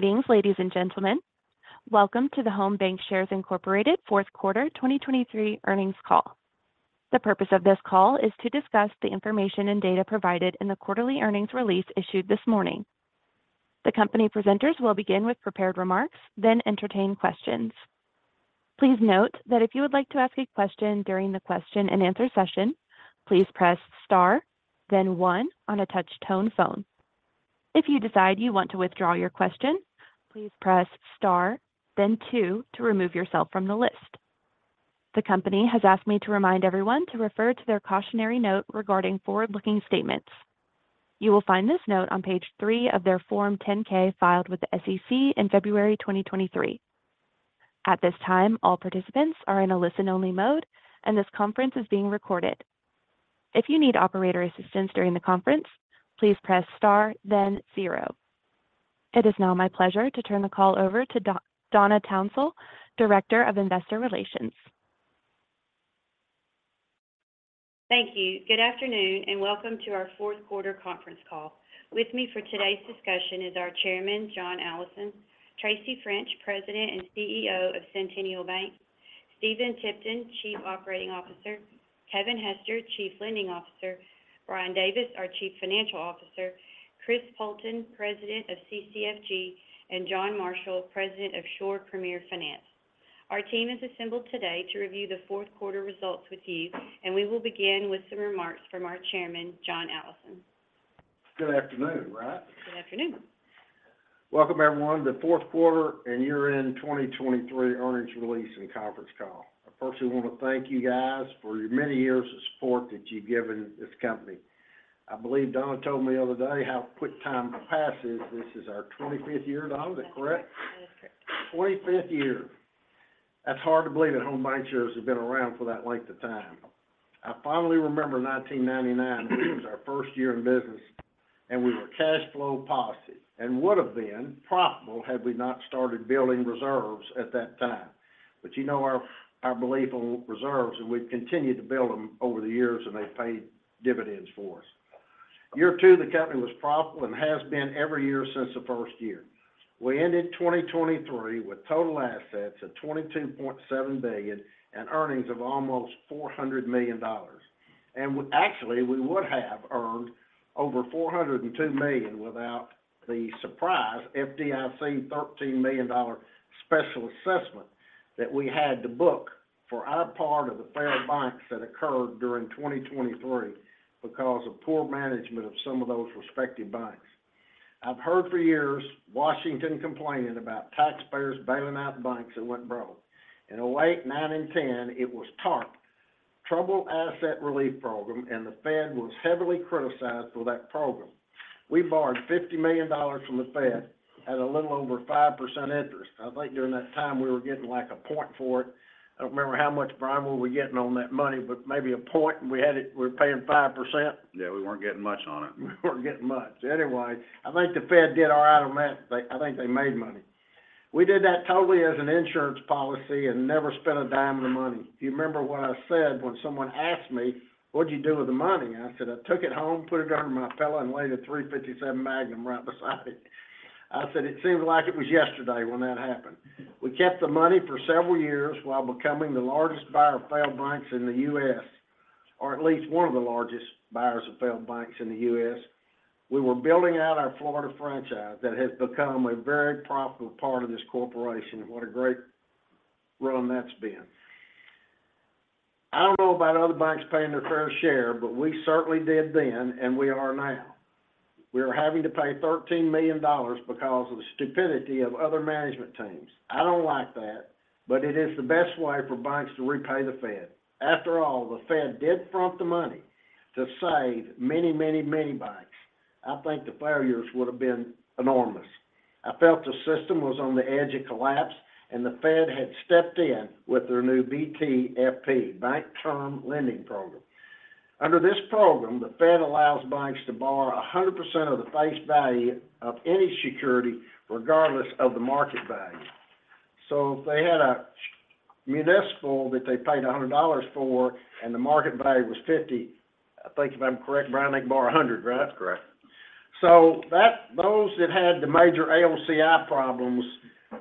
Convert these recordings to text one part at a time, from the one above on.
Greetings, ladies and gentlemen. Welcome to the Home BancShares, Inc. fourth quarter 2023 earnings call. The purpose of this call is to discuss the information and data provided in the quarterly earnings release issued this morning. The company presenters will begin with prepared remarks, then entertain questions. Please note that if you would like to ask a question during the question and answer session, please press star, then one on a touch tone phone. If you decide you want to withdraw your question, please press star, then two to remove yourself from the list. The company has asked me to remind everyone to refer to their cautionary note regarding forward-looking statements. You will find this note on page three of their Form 10-K, filed with the SEC in February 2023. At this time, all participants are in a listen-only mode, and this conference is being recorded. If you need operator assistance during the conference, please press Star, then zero. It is now my pleasure to turn the call over to Donna Townsell, Director of Investor Relations. Thank you. Good afternoon, and welcome to our fourth quarter conference call. With me for today's discussion is our chairman, John Allison; Tracy French, President and CEO of Centennial Bank; Stephen Tipton, Chief Operating Officer; Kevin Hester, Chief Lending Officer; Brian Davis, our Chief Financial Officer; Chris Poulton, President of CCFG; and John Marshall, President of Shore Premier Finance. Our team is assembled today to review the fourth quarter results with you, and we will begin with some remarks from our chairman, John Allison. Good afternoon, right? Good afternoon. Welcome, everyone, to fourth quarter and year-end 2023 earnings release and conference call. I firstly want to thank you guys for your many years of support that you've given this company. I believe Donna told me the other day how quick time passes. This is our 25th year, Donna, is that correct? That is correct. 25th year. That's hard to believe that Home BancShares have been around for that length of time. I finally remember 1999, it was our first year in business, and we were cash flow positive and would have been profitable had we not started building reserves at that time. But you know our belief on reserves, and we've continued to build them over the years, and they've paid dividends for us. Year two, the company was profitable and has been every year since the first year. We ended 2023 with total assets of $22.7 billion and earnings of almost $400 million. Actually, we would have earned over $402 million without the surprise FDIC $13 million special assessment that we had to book for our part of the failed banks that occurred during 2023 because of poor management of some of those respective banks. I've heard for years Washington complaining about taxpayers bailing out banks that went broke. In 2008, 2009, and 2010, it was TARP, Troubled Asset Relief Program, and the Fed was heavily criticized for that program. We borrowed $50 million from the Fed at a little over 5% interest. I think during that time we were getting, like, 1% for it. I don't remember how much, Brian, were we getting on that money, but maybe 1%, and we were paying 5%? Yeah, we weren't getting much on it. We weren't getting much. Anyway, I think the Fed did all right on that. They, I think they made money. We did that totally as an insurance policy and never spent a dime of the money. Do you remember what I said when someone asked me, "What did you do with the money?" I said, "I took it home, put it under my pillow, and laid a 357 magnum right beside it." I said, it seemed like it was yesterday when that happened. We kept the money for several years while becoming the largest buyer of failed banks in the U.S., or at least one of the largest buyers of failed banks in the U.S. We were building out our Florida franchise that has become a very profitable part of this corporation. What a great run that's been. I don't know about other banks paying their fair share, but we certainly did then, and we are now. We are having to pay $13 million because of the stupidity of other management teams. I don't like that, but it is the best way for banks to repay the Fed. After all, the Fed did front the money to save many, many, many banks. I think the failures would have been enormous. I felt the system was on the edge of collapse, and the Fed had stepped in with their new BTFP, Bank Term Funding Program. Under this program, the Fed allows banks to borrow 100% of the face value of any security, regardless of the market value. So if they had a municipal that they paid $100 for and the market value was $50, I think if I'm correct, Brian, they can borrow $100, right? That's correct. So that-- those that had the major AOCI problems,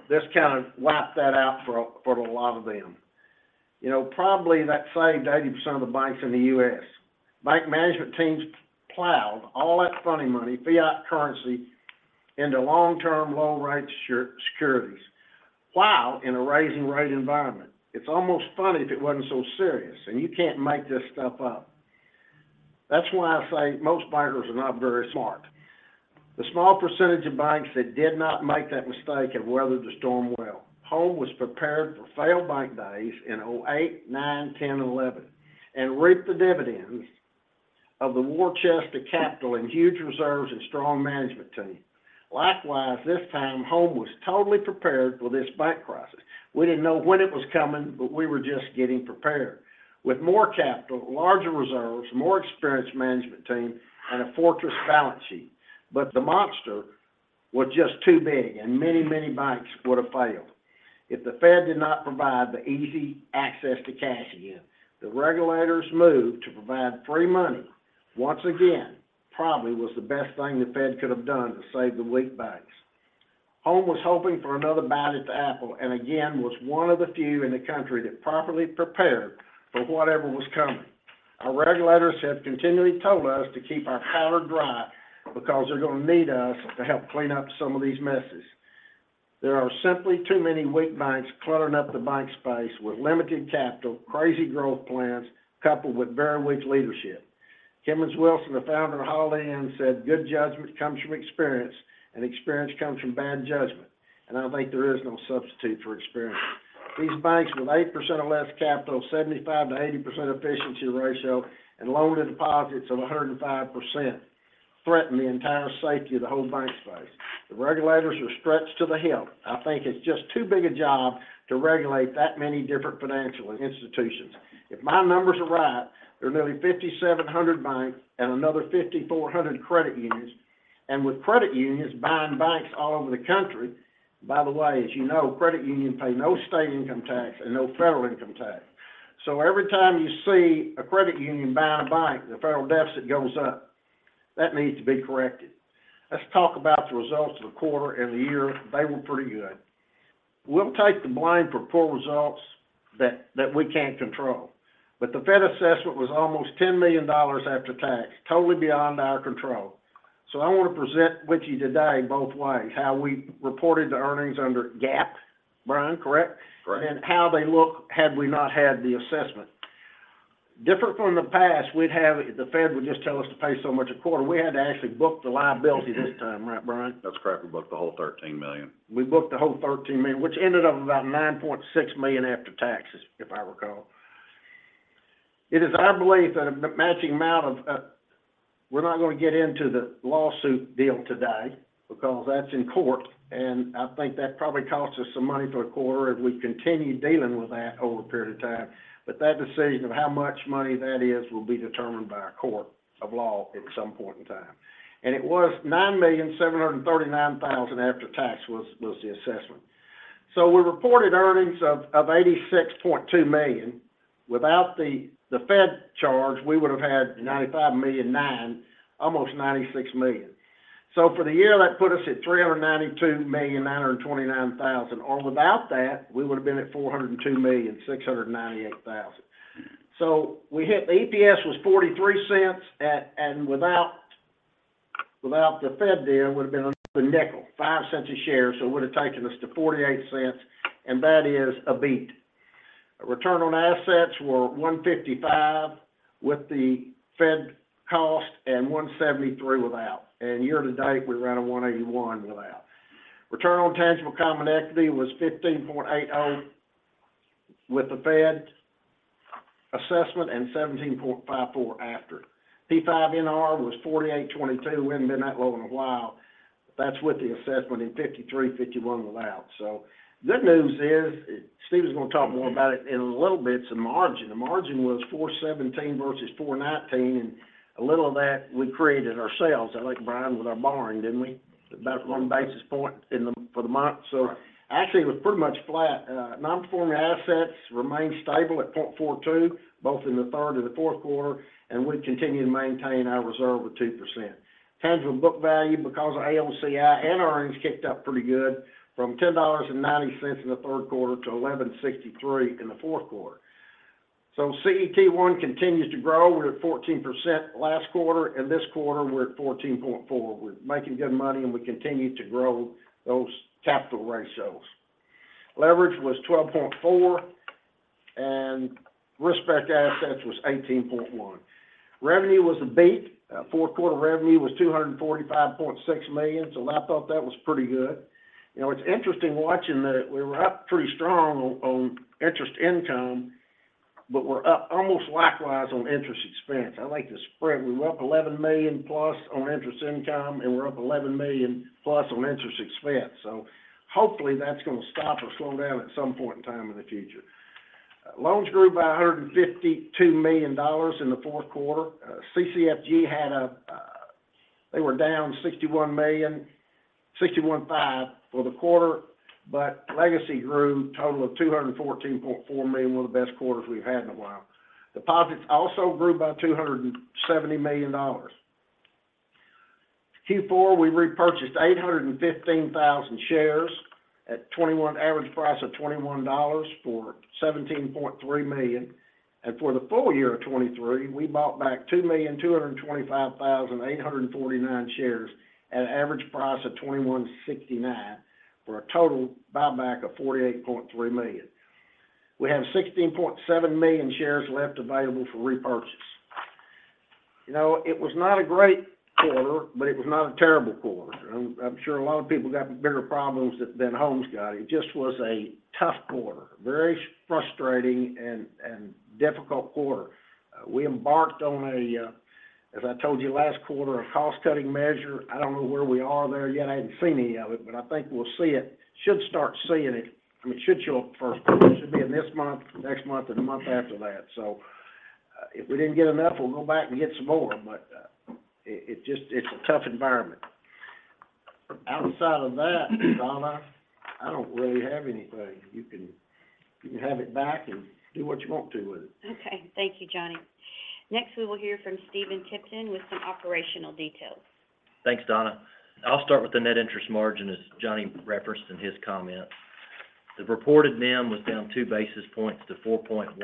this kind of wiped that out for a, for a lot of them. You know, probably that saved 80% of the banks in the U.S. Bank management teams plowed all that funny money, fiat currency, into long-term, low-rate securities, while in a rising rate environment. It's almost funny if it wasn't so serious, and you can't make this stuff up. That's why I say most bankers are not very smart. The small percentage of banks that did not make that mistake have weathered the storm well. Home was prepared for failed bank days in 2008, 2009, 2010, and 2011, and reaped the dividends of the war chest of capital and huge reserves and strong management team. Likewise, this time, Home was totally prepared for this bank crisis. We didn't know when it was coming, but we were just getting prepared. With more capital, larger reserves, more experienced management team, and a fortress balance sheet. But the monster was just too big, and many, many banks would have failed if the Fed did not provide the easy access to cash again, the regulators moved to provide free money. Once again, probably was the best thing the Fed could have done to save the weak banks. Home was hoping for another bite at the apple, and again, was one of the few in the country that properly prepared for whatever was coming. Our regulators have continually told us to keep our powder dry because they're going to need us to help clean up some of these messes. There are simply too many weak banks cluttering up the bank space with limited capital, crazy growth plans, coupled with very weak leadership. Kemmons Wilson, the founder of Holiday Inn, said, "Good judgment comes from experience, and experience comes from bad judgment," and I think there is no substitute for experience. These banks with 8% or less capital, 75%-80% efficiency ratio, and loan-to-deposit of 105% threaten the entire safety of the whole bank space. The regulators are stretched to the hilt. I think it's just too big a job to regulate that many different financial institutions. If my numbers are right, there are nearly 5,700 banks and another 5,400 credit unions. With credit unions buying banks all over the country. By the way, as you know, credit unions pay no state income tax and no federal income tax. So every time you see a credit union buying a bank, the federal deficit goes up. That needs to be corrected. Let's talk about the results of the quarter and the year. They were pretty good. We'll take the blame for poor results that we can't control. But the Fed assessment was almost $10 million after tax, totally beyond our control. So I want to present with you today both ways, how we reported the earnings under GAAP. Brian, correct? Correct. How they look had we not had the assessment. Different from the past, we'd have the Fed would just tell us to pay so much a quarter. We had to actually book the liability this time, right, Brian? That's correct. We booked the whole $13 million. We booked the whole $13 million, which ended up about $9.6 million after taxes, if I recall. It is our belief that a matching amount of. We're not going to get into the lawsuit deal today because that's in court, and I think that probably cost us some money for the quarter, and we continued dealing with that over a period of time. But that decision of how much money that is will be determined by a court of law at some point in time. And it was $9.739 million after tax was the assessment. So we reported earnings of $86.2 million. Without the Fed charge, we would have had $95.9 million, almost $96 million. So for the year, that put us at $392.929 million. Or without that, we would have been at $402.698 million. So we hit, the EPS was $0.43, and without, without the Fed deal, it would have been a nickel, $0.05 a share, so it would have taken us to $0.48, and that is a beat. Return on assets were 1.55% with the Fed cost and 1.73% without. And year to date, we ran a 1.81% without. Return on tangible common equity was 15.80% with the Fed assessment and 17.54% after. P5NR was $48.222 million. It hadn't been that low in a while. That's with the assessment in $53.051 million without. So good news is, Steve is going to talk more about it in a little bit, some margin. The margin was 4.17% versus 4.19%, and a little of that we created ourselves, I think, Brian, with our borrowing, didn't we? About one basis point in the for the month. So actually, it was pretty much flat. Non-performing assets remained stable at 0.42%, both in the third and the fourth quarter, and we continue to maintain our reserve at 2%. Tangible book value, because of AOCI and earnings, kicked up pretty good from $10.90 in the third quarter to $11.63 in the fourth quarter. So CET1 continues to grow. We're at 14% last quarter, and this quarter, we're at 14.4%. We're making good money, and we continue to grow those capital ratios. Leverage was 12.4, and risk-based assets was 18.1% revenue was a beat. Fourth quarter revenue was $245.6 million, so I thought that was pretty good. You know, it's interesting watching that we're up pretty strong on, on interest income, but we're up almost likewise on interest expense. I like to spread. We're up $11+ million on interest income, and we're up $11+million on interest expense. So hopefully, that's going to stop or slow down at some point in time in the future. Loans grew by $152 million in the fourth quarter. CCFG ,they were down $61 million, $61.5 million for the quarter, but legacy grew total of $214.4 million, one of the best quarters we've had in a while. Deposits also grew by $270 million. Q4, we repurchased 815,000 shares at $21 average price of $21 for $17.3 million. For the full year of 2023, we bought back 2,225,849 shares at an average price of $21.69, for a total buyback of $48.3 million. We have 16.7 million shares left available for repurchase. You know, it was not a great quarter, but it was not a terrible quarter. I'm, I'm sure a lot of people got bigger problems than, than Home's got. It just was a tough quarter. Very frustrating and, and difficult quarter. We embarked on a, as I told you last quarter, a cost-cutting measure. I don't know where we are there yet. I haven't seen any of it, but I think we'll see it. Should start seeing it. I mean, it should show up first. It should be in this month, next month, and the month after that. So if we didn't get enough, we'll go back and get some more, but it's a tough environment. Outside of that, Donna, I don't really have anything. You can have it back and do what you want to with it. Okay. Thank you, Johnny. Next, we will hear from Stephen Tipton with some operational details. Thanks, Donna. I'll start with the net interest margin, as Johnny referenced in his comments. The reported NIM was down 2 basis points to 4.17%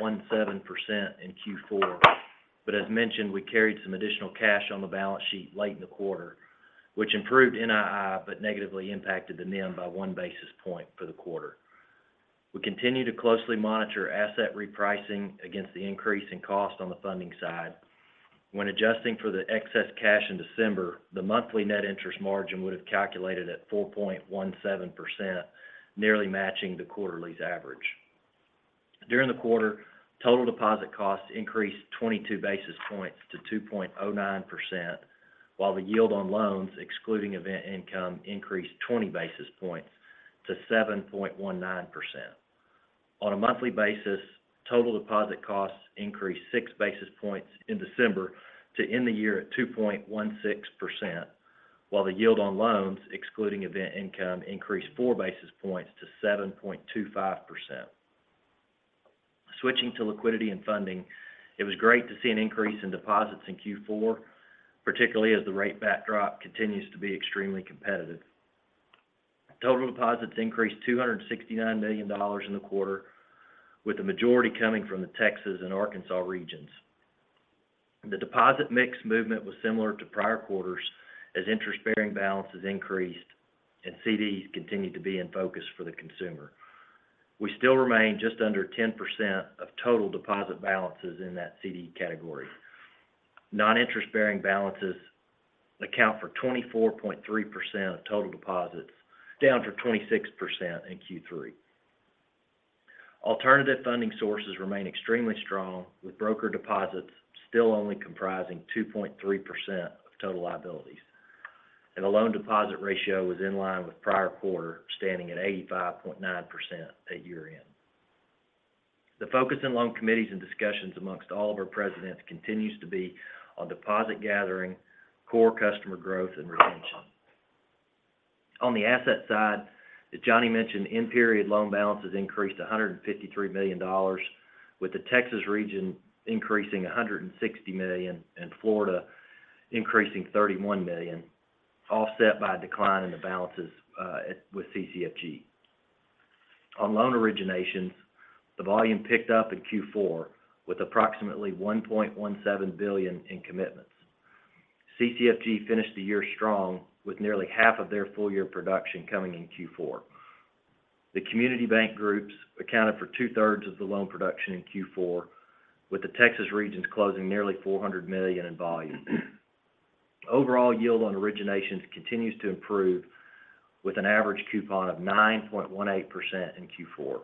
in Q4, but as mentioned, we carried some additional cash on the balance sheet late in the quarter, which improved NII, but negatively impacted the NIM by 1 basis point for the quarter. We continue to closely monitor asset repricing against the increase in cost on the funding side. When adjusting for the excess cash in December, the monthly net interest margin would have calculated at 4.17%, nearly matching the quarterly's average. During the quarter, total deposit costs increased 22 basis points to 2.09%, while the yield on loans, excluding event income, increased 20 basis points to 7.19%. On a monthly basis, total deposit costs increased 6 basis points in December to end the year at 2.16%, while the yield on loans, excluding event income, increased 4 basis points to 7.25%. Switching to liquidity and funding, it was great to see an increase in deposits in Q4, particularly as the rate backdrop continues to be extremely competitive. Total deposits increased $269 million in the quarter, with the majority coming from the Texas and Arkansas regions. The deposit mix movement was similar to prior quarters, as interest-bearing balances increased and CDs continued to be in focus for the consumer. We still remain just under 10% of total deposit balances in that CD category. Non-interest-bearing balances account for 24.3% of total deposits, down from 26% in Q3. Alternative funding sources remain extremely strong, with broker deposits still only comprising 2.3% of total liabilities, and the loan deposit ratio was in line with prior quarter, standing at 85.9% at year-end. The focus in loan committees and discussions among all of our presidents continues to be on deposit gathering, core customer growth, and retention. On the asset side, as Johnny mentioned, in-period loan balances increased $153 million, with the Texas region increasing $160 million and Florida increasing $31 million, offset by a decline in the balances with CCFG. On loan originations, the volume picked up in Q4, with approximately $1.17 billion in commitments. CCFG finished the year strong, with nearly half of their full-year production coming in Q4. The community bank groups accounted for two-thirds of the loan production in Q4, with the Texas regions closing nearly $400 million in volume. Overall yield on originations continues to improve, with an average coupon of 9.18% in Q4.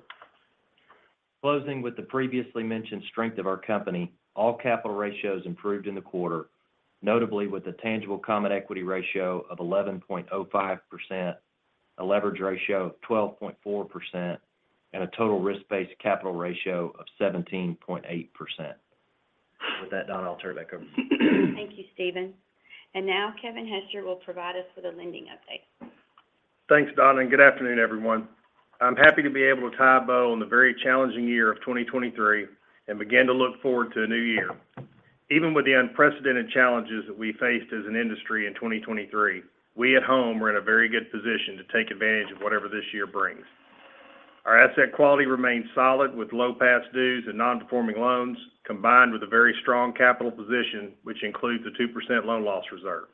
Closing with the previously mentioned strength of our company, all capital ratios improved in the quarter, notably with a tangible common equity ratio of 11.05%, a leverage ratio of 12.4%, and a total risk-based capital ratio of 17.8%. With that, Donna, I'll turn it back over to you. Thank you, Stephen. And now, Kevin Hester will provide us with a lending update. Thanks, Donna, and good afternoon, everyone. I'm happy to be able to tie a bow on the very challenging year of 2023 and begin to look forward to a new year. Even with the unprecedented challenges that we faced as an industry in 2023, we at Home were in a very good position to take advantage of whatever this year brings. Our asset quality remains solid, with low past dues and non-performing loans, combined with a very strong capital position, which includes a 2% loan loss reserve.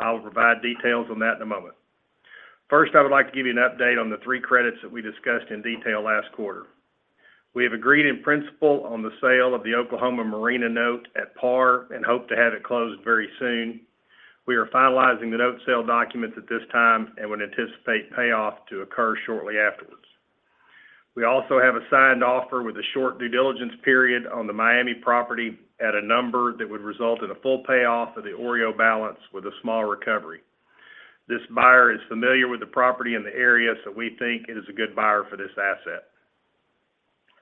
I will provide details on that in a moment. First, I would like to give you an update on the three credits that we discussed in detail last quarter. We have agreed in principle on the sale of the Oklahoma marina note at par and hope to have it closed very soon. We are finalizing the note sale documents at this time and would anticipate payoff to occur shortly afterwards. We also have a signed offer with a short due diligence period on the Miami property at a number that would result in a full payoff of the OREO balance with a small recovery. This buyer is familiar with the property and the area, so we think it is a good buyer for this asset.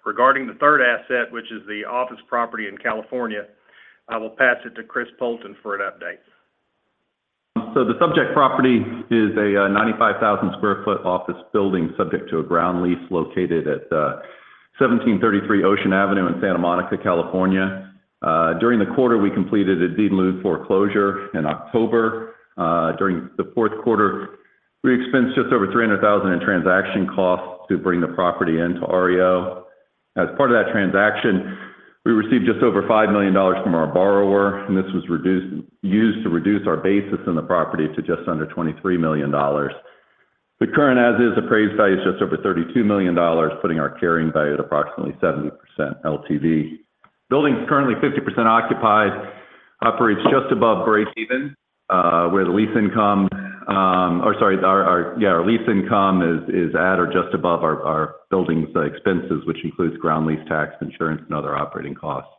Regarding the third asset, which is the office property in California, I will pass it to Chris Poulton for an update. So the subject property is a 95,000 sq ft office building subject to a ground lease located at 1,733 Ocean Avenue in Santa Monica, California. During the quarter, we completed a deed in lieu foreclosure in October. During the fourth quarter, we expensed just over $300,000 in transaction costs to bring the property into OREO. As part of that transaction, we received just over $5 million from our borrower, and this was reduced used to reduce our basis in the property to just under $23 million. The current as-is appraised value is just over $32 million, putting our carrying value at approximately 70% LTV. The building is currently 50% occupied, operates just above break even, where the lease income. Sorry, our lease income is at or just above our building's expenses, which includes ground lease, tax, insurance, and other operating costs.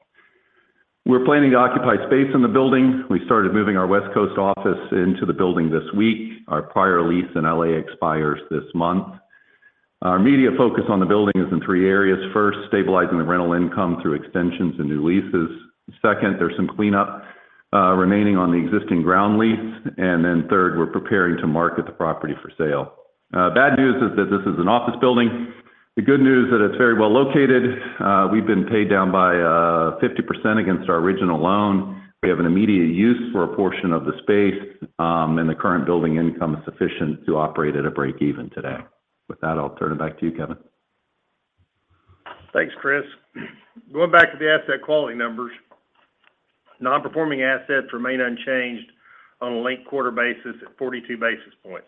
We're planning to occupy space in the building. We started moving our West Coast office into the building this week. Our prior lease in L.A. expires this month. Our immediate focus on the building is in three areas: first, stabilizing the rental income through extensions and new leases. Second, there's some cleanup remaining on the existing ground lease. Then third, we're preparing to market the property for sale. The bad news is that this is an office building. The good news is that it's very well located. We've been paid down by 50% against our original loan. We have an immediate use for a portion of the space, and the current building income is sufficient to operate at a break-even today. With that, I'll turn it back to you, Kevin. Thanks, Chris. Going back to the asset quality numbers, non-performing assets remain unchanged on a linked-quarter basis at 42 basis points.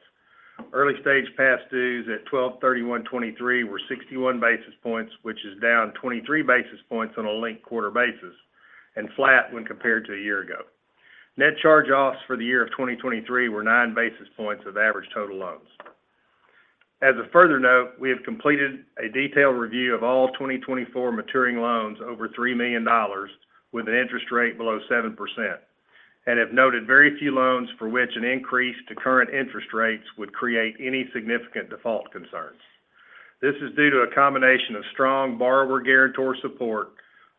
Early stage past dues at December 31, 2023 were 61 basis points, which is down 23 basis points on a linked-quarter basis and flat when compared to a year ago. Net charge-offs for the year of 2023 were 9 basis points of average total loans. As a further note, we have completed a detailed review of all 2024 maturing loans over $3 million with an interest rate below 7%, and have noted very few loans for which an increase to current interest rates would create any significant default concerns. This is due to a combination of strong borrower guarantor support,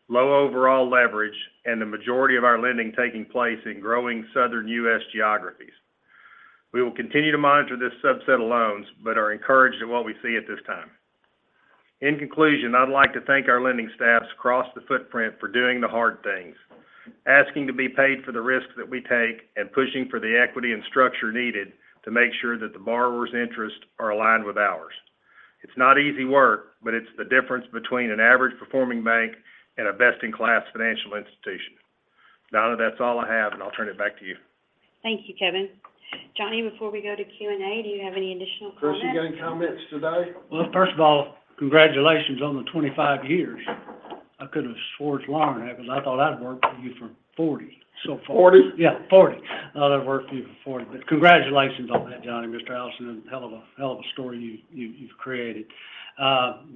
low overall leverage, and the majority of our lending taking place in growing southern U.S. geographies. We will continue to monitor this subset of loans, but are encouraged at what we see at this time. In conclusion, I'd like to thank our lending staffs across the footprint for doing the hard things, asking to be paid for the risks that we take, and pushing for the equity and structure needed to make sure that the borrower's interests are aligned with ours. It's not easy work, but it's the difference between an average performing bank and a best-in-class financial institution. Donna, that's all I have, and I'll turn it back to you. Thank you, Kevin. Johnny, before we go to Q&A, do you have any additional comments? Chris, you got any comments today? Well, first of all, congratulations on the 25 years. I could have sworn longer than that because I thought I'd worked with you for 40, so- 40? Yeah, 40. I thought I'd worked with you for 40. But congratulations on that, Johnny, Mr. Allison, and a hell of a story you've created.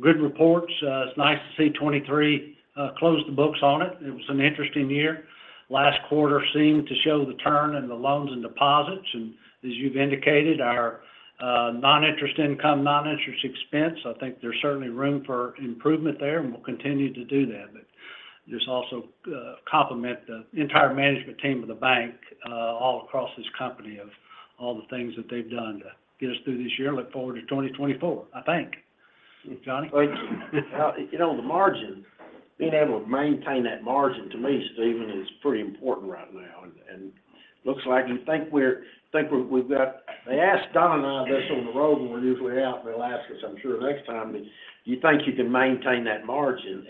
Good reports. It's nice to see 2023 close the books on it. It was an interesting year. Last quarter seemed to show the turn in the loans and deposits, and as you've indicated, our non-interest income, non-interest expense, I think there's certainly room for improvement there, and we'll continue to do that. But just also compliment the entire management team of the bank all across this company of all the things that they've done to get us through this year. Look forward to 2024, I think. Johnny? Thank you. You know, the margin, being able to maintain that margin, to me, Stephen, is pretty important right now, and looks like you think we've got. They asked Donna and I this on the road when we usually out in Alaska, so I'm sure next time that you think you can maintain that margin,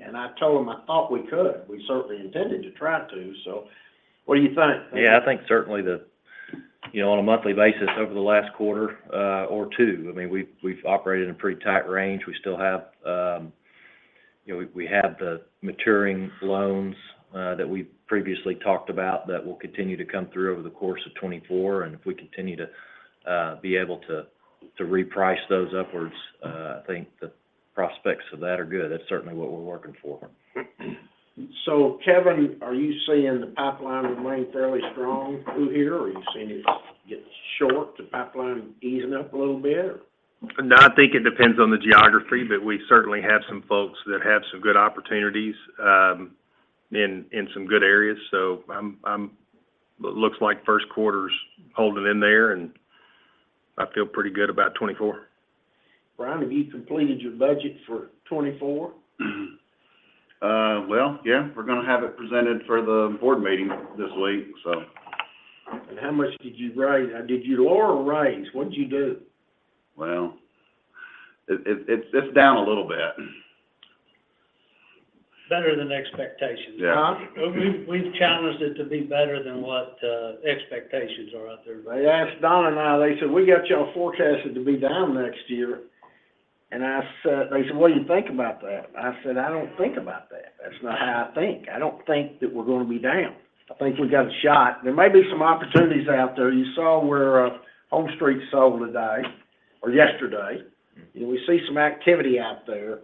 and I told them I thought we could. We certainly intended to try to. So what do you think? Yeah, I think certainly the, you know, on a monthly basis, over the last quarter, or two, I mean, we've, we've operated in a pretty tight range. We still have, you know, we, we have the maturing loans, that we previously talked about that will continue to come through over the course of 2024. And if we continue to, be able to, to reprice those upwards, I think the prospects of that are good. That's certainly what we're working for. So, Kevin, are you seeing the pipeline remain fairly strong through here, or are you seeing it get short, the pipeline easing up a little bit? No, I think it depends on the geography, but we certainly have some folks that have some good opportunities in some good areas. So looks like first quarter's holding in there, and I feel pretty good about 2024. Brian, have you completed your budget for 2024? Well, yeah, we're going to have it presented for the board meeting this week, so. How much did you raise? Did you lower or raise? What did you do? Well, it's down a little bit. Better than expectations. Yeah. Huh? We've challenged it to be better than what expectations are out there. They asked Donna and I, they said, "We got y'all forecasted to be down next year." And I said—They said, "What do you think about that?" I said, "I don't think about that. That's not how I think. I don't think that we're going to be down." I think we've got a shot. There may be some opportunities out there. You saw where, HomeStreet sold today or yesterday. And we see some activity out there,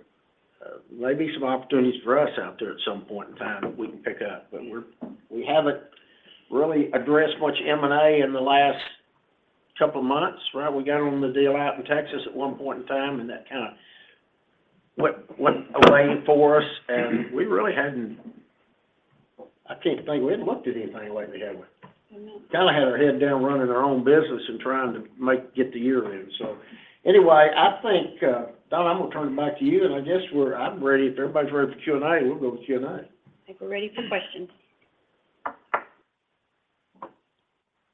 maybe some opportunities for us out there at some point in time that we can pick up. But we haven't really addressed much M&A in the last couple of months, right? We got on the deal out in Texas at one point in time, and that kind of went away for us, and we really hadn't looked at anything like we had with. Kind of had our head down, running our own business and trying to get the year in. So anyway, I think, Donna, I'm going to turn it back to you, and I guess I'm ready. If everybody's ready for Q&A, we'll go to Q&A. I think we're ready for questions.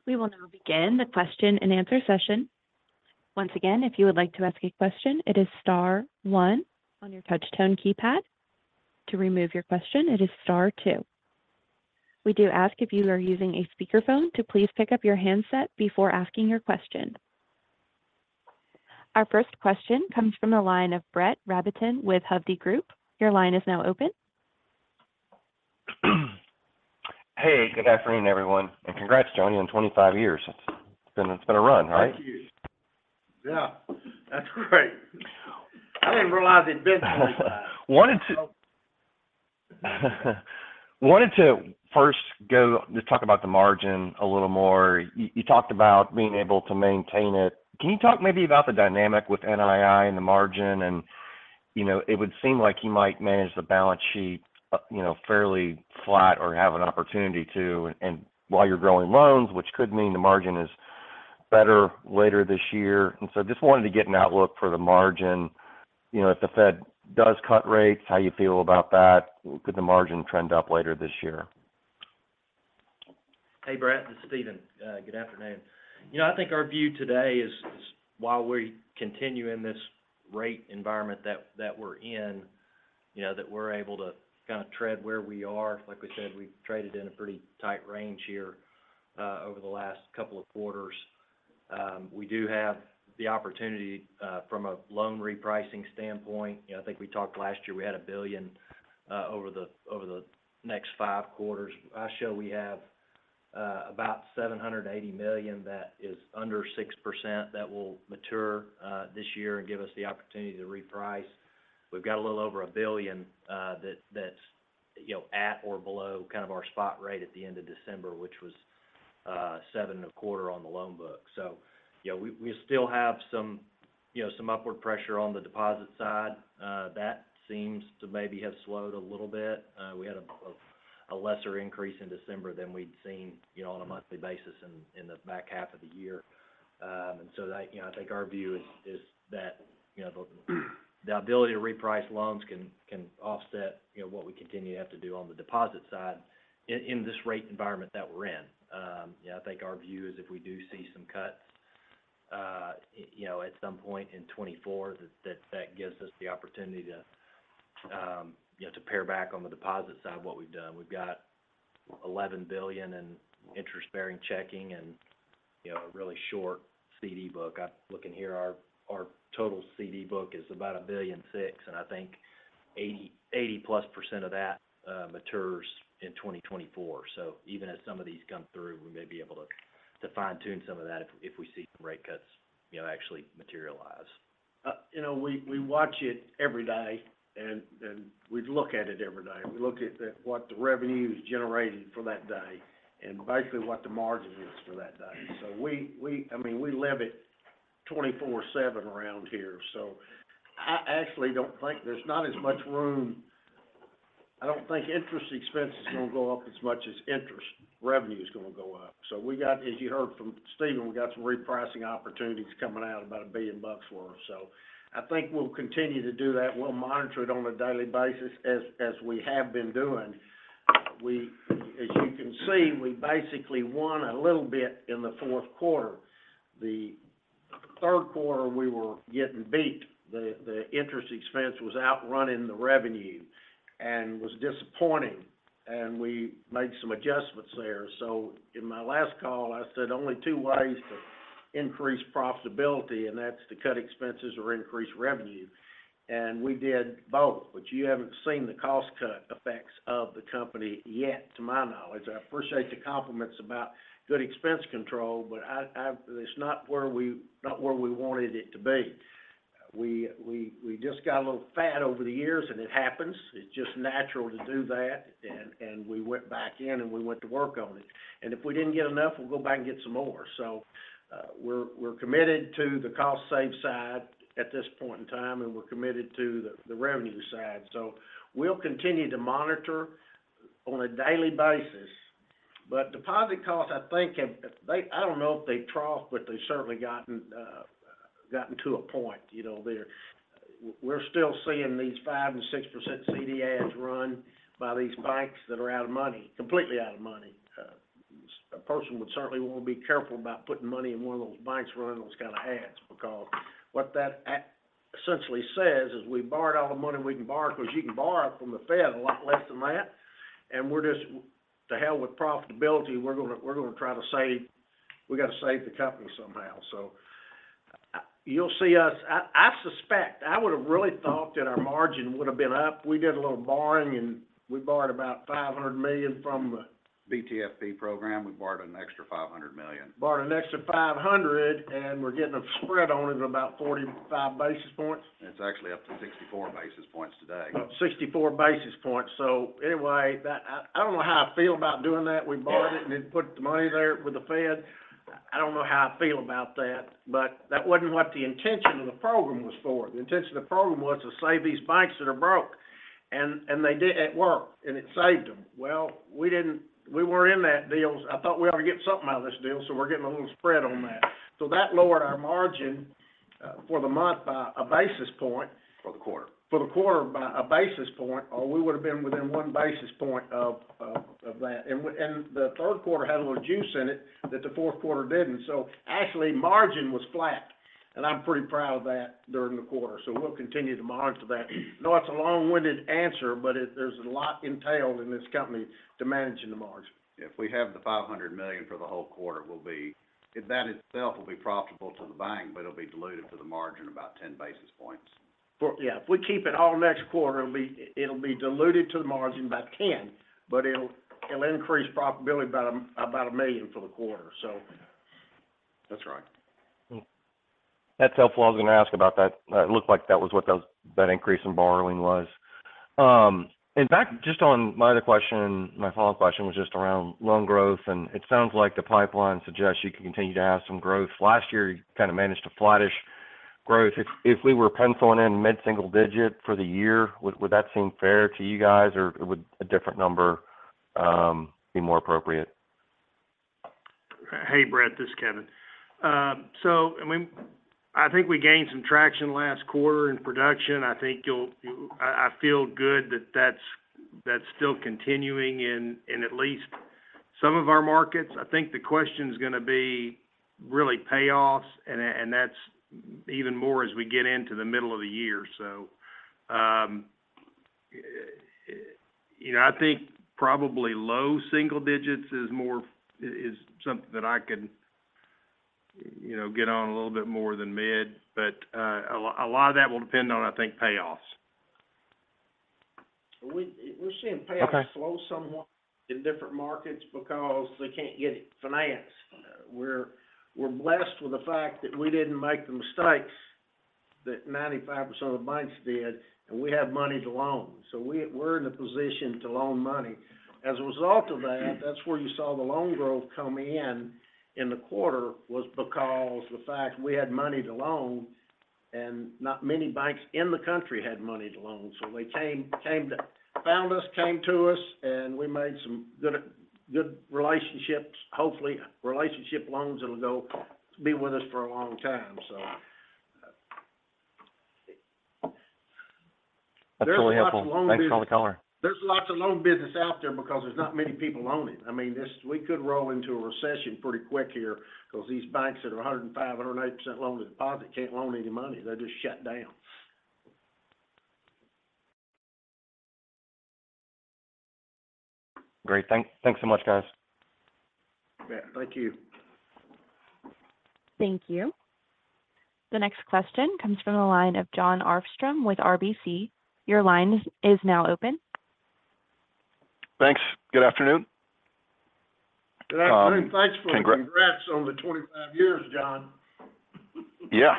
We will now begin the question and answer session. Once again, if you would like to ask a question, it is star one on your touch tone keypad. To remove your question, it is star two. We do ask if you are using a speakerphone, to please pick up your handset before asking your question. Our first question comes from the line of Brett Rabatin with Hovde Group. Your line is now open. Hey, good afternoon, everyone, and congrats, Johnny, on 25 years. It's been, it's been a run, right? Thank you. Yeah, that's great. I didn't realize it'd been 25. Wanted to first go just talk about the margin a little more. You talked about being able to maintain it. Can you talk maybe about the dynamic with NII and the margin? And, you know, it would seem like you might manage the balance sheet, you know, fairly flat or have an opportunity to, and, and while you're growing loans, which could mean the margin is better later this year. And so just wanted to get an outlook for the margin, you know, if the Fed does cut rates, how you feel about that? Could the margin trend up later this year? Hey, Brett, this is Stephen. Good afternoon. You know, I think our view today is, while we continue in this rate environment that we're in, you know, that we're able to kind of tread where we are. Like we said, we've traded in a pretty tight range here over the last couple of quarters. We do have the opportunity from a loan repricing standpoint. You know, I think we talked last year, we had $1 billion over the next five quarters. I show we have about $780 million that is under 6% that will mature this year and give us the opportunity to reprice. We've got a little over $1 billion, that's, you know, at or below kind of our spot rate at the end of December, which was seven and a quarter on the loan book. So, you know, we, we still have some, you know, some upward pressure on the deposit side. That seems to maybe have slowed a little bit. We had a lesser increase in December than we'd seen, you know, on a monthly basis in the back half of the year. And so that, you know, I think our view is that, you know, the ability to reprice loans can offset, you know, what we continue to have to do on the deposit side in this rate environment that we're in. Yeah, I think our view is if we do see some cuts, you know, at some point in 2024, that gives us the opportunity to, you know, to pare back on the deposit side of what we've done. We've got $11 billion in interest-bearing checking and, you know, a really short CD book. I'm looking here, our total CD book is about $1.6 billion, and I think 80%+ of that matures in 2024. So even as some of these come through, we may be able to fine-tune some of that if we see the rate cuts, you know, actually materialize. You know, we watch it every day, and we look at it every day. We look at the, what the revenue is generated for that day, and basically what the margin is for that day. So we, I mean, we live it 24/7 around here. So I actually don't think there's not as much room. I don't think interest expense is going to go up as much as interest revenue is going to go up. So we got, as you heard from Stephen, we got some repricing opportunities coming out, about $1 billion worth. So I think we'll continue to do that. We'll monitor it on a daily basis, as we have been doing. We, as you can see, we basically won a little bit in the fourth quarter. The third quarter, we were getting beat. The interest expense was outrunning the revenue and was disappointing, and we made some adjustments there. So in my last call, I said only two ways to increase profitability, and that's to cut expenses or increase revenue. And we did both, but you haven't seen the cost cut effects of the company yet, to my knowledge. I appreciate the compliments about good expense control, but it's not where we wanted it to be. We just got a little fat over the years, and it happens. It's just natural to do that, and we went back in, and we went to work on it. And if we didn't get enough, we'll go back and get some more. So we're committed to the cost save side at this point in time, and we're committed to the revenue side. So we'll continue to monitor on a daily basis. But deposit costs, I think, have they I don't know if they've troughed, but they've certainly gotten, gotten to a point, you know, we're still seeing these 5% and 6% CD ads run by these banks that are out of money, completely out of money. A person would certainly want to be careful about putting money in one of those banks running those kind of ads, because what that essentially says is, "We borrowed all the money we can borrow," because you can borrow from the Fed a lot less than that. "And we're just, to hell with profitability, we're gonna, we're gonna try to save we got to save the company somehow." So, you'll see us, I, I suspect, I would have really thought that our margin would have been up. We did a little borrowing, and we borrowed about $500 million from. BTFP program, we borrowed an extra $500 million. Borrowed an extra $500, and we're getting a spread on it of about 45 basis points. It's actually up to 64 basis points today. 64 basis points. So anyway, that—I, I don't know how I feel about doing that. We borrowed it and then put the money there with the Fed. I don't know how I feel about that, but that wasn't what the intention of the program was for. The intention of the program was to save these banks that are broke, and, and they did, it worked, and it saved them. Well, we didn't. We were in that deal. I thought we ought to get something out of this deal, so we're getting a little spread on that. So that lowered our margin, for the month by a basis point. For the quarter. For the quarter by a basis point, or we would have been within one basis point of that. And the third quarter had a little juice in it that the fourth quarter didn't. So actually, margin was flat, and I'm pretty proud of that during the quarter. So we'll continue to monitor that. I know it's a long-winded answer, but it, there's a lot entailed in this company to managing the margin. If we have the $500 million for the whole quarter, we'll be if that itself will be profitable to the bank, but it'll be diluted to the margin about 10 basis points. Yeah, if we keep it all next quarter, it'll be diluted to the margin by 10, but it'll increase profitability by about $1 million for the quarter so. That's right. Hmm. That's helpful. I was going to ask about that. It looked like that was what those, that increase in borrowing was. In fact, just on my other question, my follow-up question was just around loan growth, and it sounds like the pipeline suggests you can continue to have some growth. Last year, you kind of managed a flattish growth. If we were penciling in mid-single digit for the year, would that seem fair to you guys, or would a different number be more appropriate? Hey, Brett, this is Kevin. So, I mean, I think we gained some traction last quarter in production. I think you'll, you-- I, I feel good that that's, that's still continuing in, in at least some of our markets. I think the question's going to be really payoffs, and, and that's even more as we get into the middle of the year. So, you know, I think probably low single digits is more-- is, is something that I can, you know, get on a little bit more than mid, but, a lot, a lot of that will depend on, I think, payoffs. We're seeing payoffs. Okay Slow somewhat in different markets because they can't get financed. We're blessed with the fact that we didn't make the mistakes that 95% of the banks did, and we have money to loan. So we're in a position to loan money. As a result of that, that's where you saw the loan growth come in, in the quarter, was because the fact we had money to loan, and not many banks in the country had money to loan. So they came to us, found us, and we made some good relationships. Hopefully, relationship loans that'll be with us for a long time, so. That's really helpful. There's lots of loan business. Thanks for all the color. There's lots of loan business out there because there's not many people loaning. I mean, this, we could roll into a recession pretty quick here because these banks that are 105%-108% loan to deposit can't loan any money. They'll just shut down. Great. Thanks so much, guys. Yeah, thank you. Thank you. The next question comes from the line of Jon Arfstrom with RBC. Your line is now open. Thanks. Good afternoon. Good afternoon. Thanks—congrats on the 25 years, John. Yeah.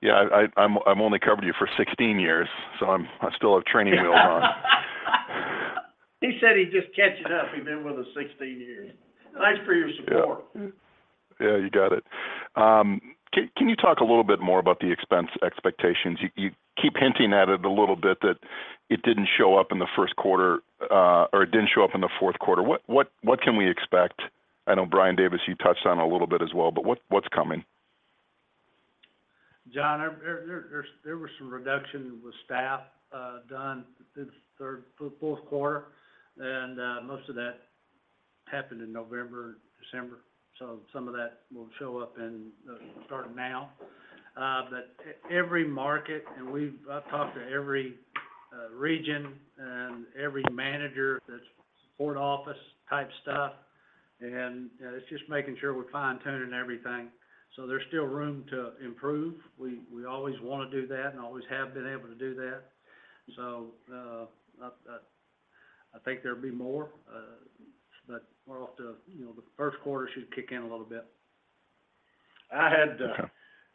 Yeah, I'm only covered you for 16 years, so I'm, I still have training wheels on. He said he's just catching up. He's been with us 16 years. Thanks for your support. Yeah. Yeah, you got it. Can you talk a little bit more about the expense expectations? You, you keep hinting at it a little bit, that it didn't show up in the first quarter, or it didn't show up in the fourth quarter. What, what, what can we expect? I know, Brian Davis, you touched on a little bit as well, but what, what's coming? John, there was some reduction with staff done this fourth quarter, and most of that happened in November, December. So some of that will show up in starting now. But every market, and I've talked to every region and every manager that's support office type stuff, and it's just making sure we're fine-tuning everything. So there's still room to improve. We always want to do that, and always have been able to do that. So I think there'll be more, but we're off to, you know, the first quarter should kick in a little bit. Okay. I had,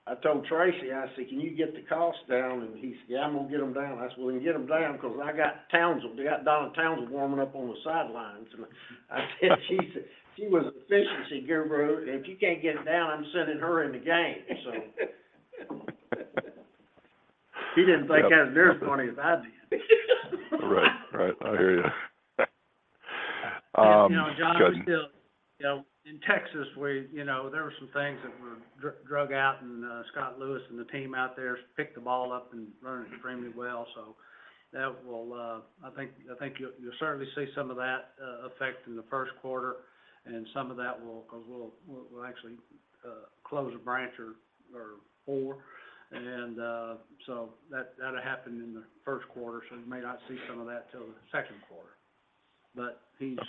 I told Tracy, I said: "Can you get the cost down?" And he said, "Yeah, I'm going to get them down." I said, "Well, you get them down because I got Townsell, we got Donna Townsell warming up on the sidelines." And I said, "She's a, she was an efficiency guru, and if you can't get it down, I'm sending her in the game," so. He didn't think that was near as funny as I did. Right. Right. I hear you. You know, John, you know, in Texas, we, you know, there were some things that were drug out, and Scott Lewis and the team out there picked the ball up and learned extremely well. So that will. I think you'll certainly see some of that effect in the first quarter, and some of that will—because we'll actually close a branch or four. And so that, that'll happen in the first quarter, so you may not see some of that till the second quarter. But he's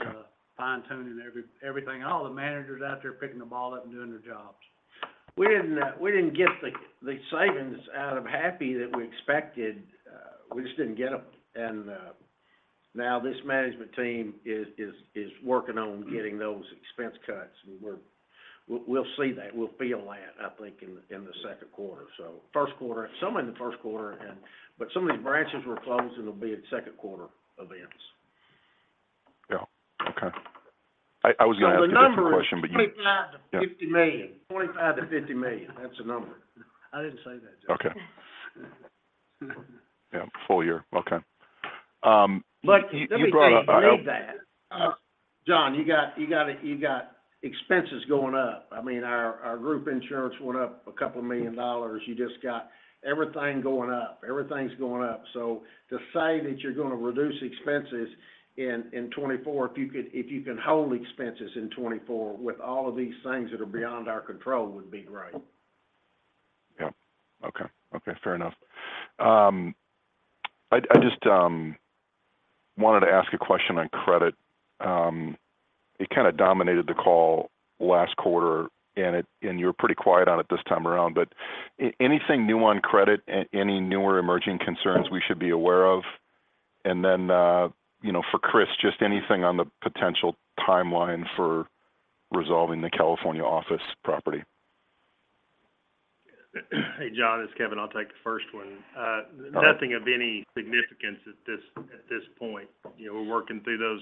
fine-tuning everything. All the managers out there are picking the ball up and doing their jobs. We didn't get the savings out of Happy that we expected. We just didn't get them. And now this management team is working on getting those expense cuts, and we'll see that, we'll feel that, I think, in the second quarter. So first quarter, some in the first quarter, and but some of these branches we're closing will be in second quarter events. Yeah. Okay. I was going to ask a different question, but you- The number is $25 million-$50 million. Yeah. $25 million-$50 million. That's the number. I didn't say that, John. Okay. Yeah, full year. Okay. You brought up. But let me tell you, look that, John, you got expenses going up. I mean, our group insurance went up $2 million. You just got everything going up. Everything's going up. So to say that you're going to reduce expenses in 2024, if you can hold expenses in 2024 with all of these things that are beyond our control, would be great. Yeah. Okay. Okay, fair enough. I just wanted to ask a question on credit. It kind of dominated the call last quarter, and you're pretty quiet on it this time around, but anything new on credit? Any newer emerging concerns we should be aware of? And then, you know, for Chris, just anything on the potential timeline for resolving the California office property? Hey, John, it's Kevin. I'll take the first one. Got it. Nothing of any significance at this point. You know, we're working through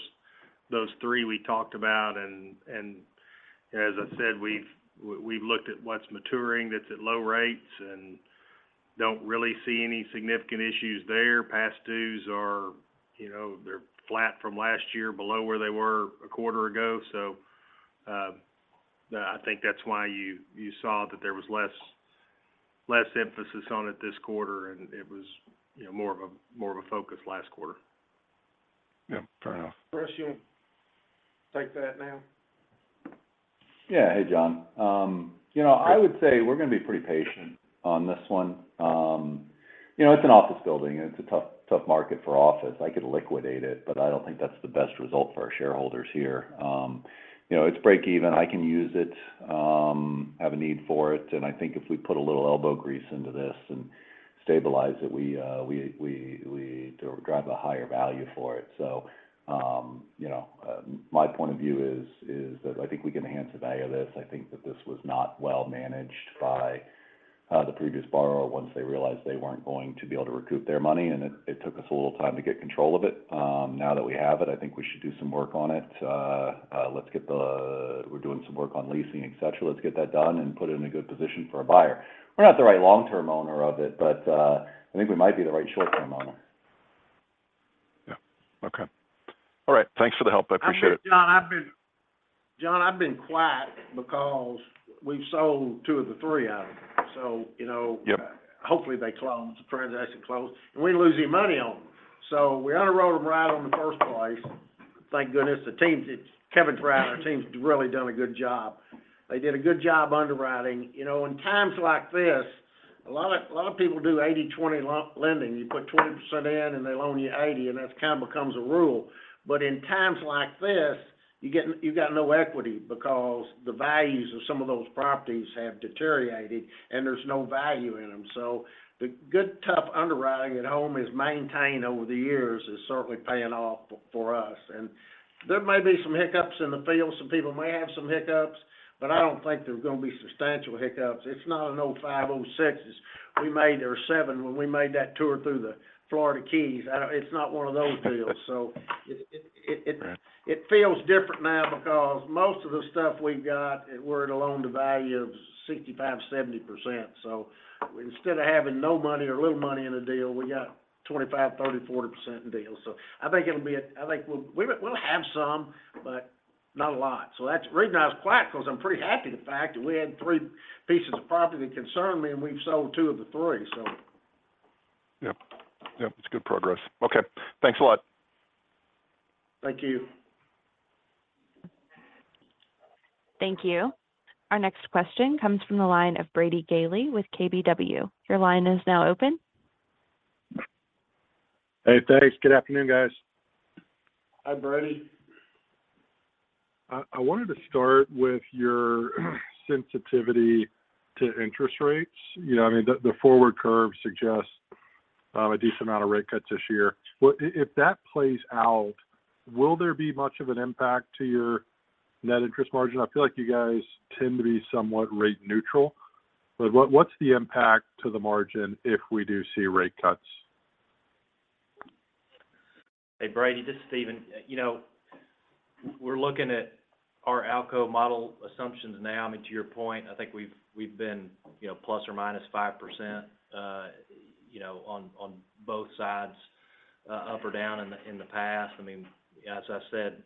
those three we talked about, and as I said, we've looked at what's maturing that's at low rates, and don't really see any significant issues there. Past dues are, you know, they're flat from last year, below where they were a quarter ago. So, I think that's why you saw that there was less emphasis on it this quarter, and it was, you know, more of a focus last quarter. Yeah, fair enough. Chris, you want to take that now? Yeah. Hey, John. You know, I would say we're gonna be pretty patient on this one. You know, it's an office building, and it's a tough, tough market for office. I could liquidate it, but I don't think that's the best result for our shareholders here. You know, it's break even. I can use it, have a need for it, and I think if we put a little elbow grease into this and stabilize it, we derive a higher value for it. So, you know, my point of view is that I think we can enhance the value of this. I think that this was not well managed by the previous borrower once they realized they weren't going to be able to recoup their money, and it took us a little time to get control of it. Now that we have it, I think we should do some work on it. We're doing some work on leasing, et cetera. Let's get that done and put it in a good position for a buyer. We're not the right long-term owner of it, but I think we might be the right short-term owner. Yeah. Okay. All right, thanks for the help. I appreciate it. John, I've been quiet because we've sold two of the three items. So, you know. Yep. Hopefully, they close, the transaction close, and we ain't lose any money on them. So we underwrote them right in the first place. Thank goodness, the team, it's—Kevin's right, our team's really done a good job. They did a good job underwriting. You know, in times like this, a lot of, a lot of people do 80/20 lending. You put 20% in, and they loan you 80%, and that kind of becomes a rule. But in times like this, you got no equity because the values of some of those properties have deteriorated, and there's no value in them. So the good, tough underwriting that Home has maintained over the years is certainly paying off for, for us. And there may be some hiccups in the field, some people may have some hiccups, but I don't think there's gonna be substantial hiccups. It's not a 2005, 2006's we made, or 2007, when we made that tour through the Florida Keys. I don't—it's not one of those deals. So it it feels different now because most of the stuff we've got, we're at a loan-to-value of 65%-70%. So instead of having no money or little money in a deal, we got 25%, 30%, 40% in deals. So I think it'll be. I think we'll, we'll, we'll have some, but not a lot. So that's the reason I was quiet, because I'm pretty happy with the fact that we had three pieces of property that concerned me, and we've sold two of the three, so. Yep. Yep, it's good progress. Okay, thanks a lot. Thank you. Thank you. Our next question comes from the line of Brady Gailey with KBW. Your line is now open. Hey, thanks. Good afternoon, guys. Hi, Brady. I wanted to start with your sensitivity to interest rates. You know, I mean, the forward curve suggests a decent amount of rate cuts this year. What if that plays out, will there be much of an impact to your net interest margin? I feel like you guys tend to be somewhat rate neutral, but what's the impact to the margin if we do see rate cuts? Hey, Brady, this is Stephen. You know, we're looking at our ALCO model assumptions now. I mean, to your point, I think we've been, you know, ±5%, you know, on both sides, up or down in the past. I mean, as I said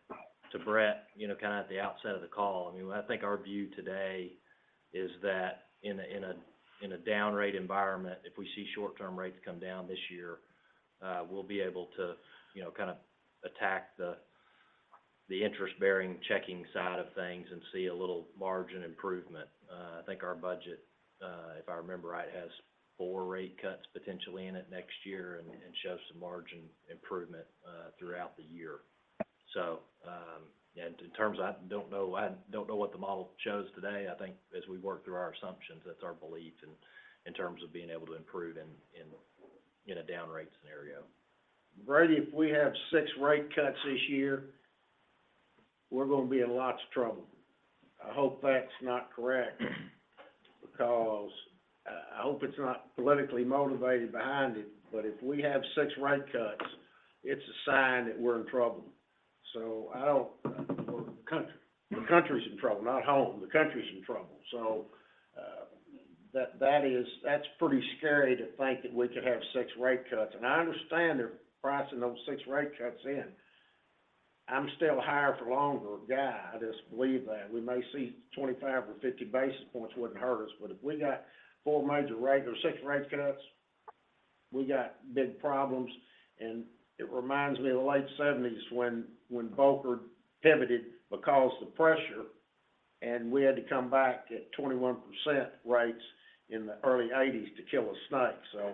to Brett, you know, kind of at the outset of the call, I mean, I think our view today is that in a down rate environment, if we see short-term rates come down this year, we'll be able to, you know, kind of attack the interest-bearing checking side of things and see a little margin improvement. I think our budget, if I remember right, has four rate cuts potentially in it next year and shows some margin improvement throughout the year. So, and in terms. I don't know, I don't know what the model shows today. I think as we work through our assumptions, that's our belief in terms of being able to improve in a down rate scenario. Brady, if we have six rate cuts this year, we're gonna be in lots of trouble. I hope that's not correct, because I hope it's not politically motivated behind it, but if we have six rate cuts, it's a sign that we're in trouble. So I don't, the country, the country's in trouble, not Home. The country's in trouble. So that, that is - that's pretty scary to think that we could have 6 rate cuts. And I understand they're pricing those six rate cuts in. I'm still higher for longer guy. I just believe that. We may see 25 or 50 basis points wouldn't hurt us, but if we got four major rate or six rate cuts, we got big problems. It reminds me of the late 1970s when Volcker pivoted because of pressure, and we had to come back at 21% rates in the early 1980s to kill a snake. So,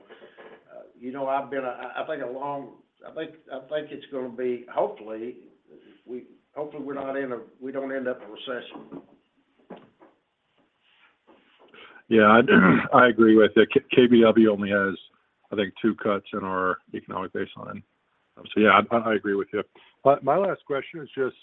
you know, I think it's gonna be hopefully, we're not in a—we don't end up in a recession. Yeah, I agree with you. KBW only has, I think, two cuts in our economic baseline. So yeah, I agree with you. But my last question is just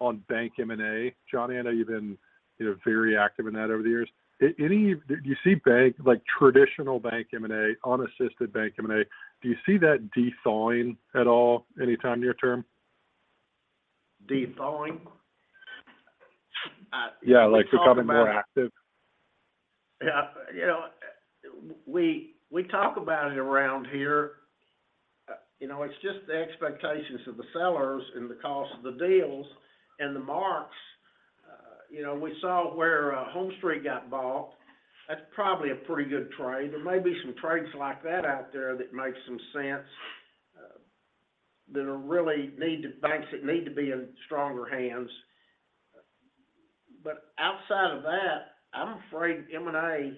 on bank M&A. Johnny, I know you've been, you know, very active in that over the years. Any—did you see bank, like traditional bank M&A, unassisted bank M&A, do you see that thawing at all anytime near term? Dethawing? We talk about- Yeah, like becoming more active. Yeah. You know, we talk about it around here. You know, it's just the expectations of the sellers and the cost of the deals and the marks. You know, we saw where HomeStreet got bought. That's probably a pretty good trade. There may be some trades like that out there that make some sense, banks that need to be in stronger hands. But outside of that, I'm afraid M&A.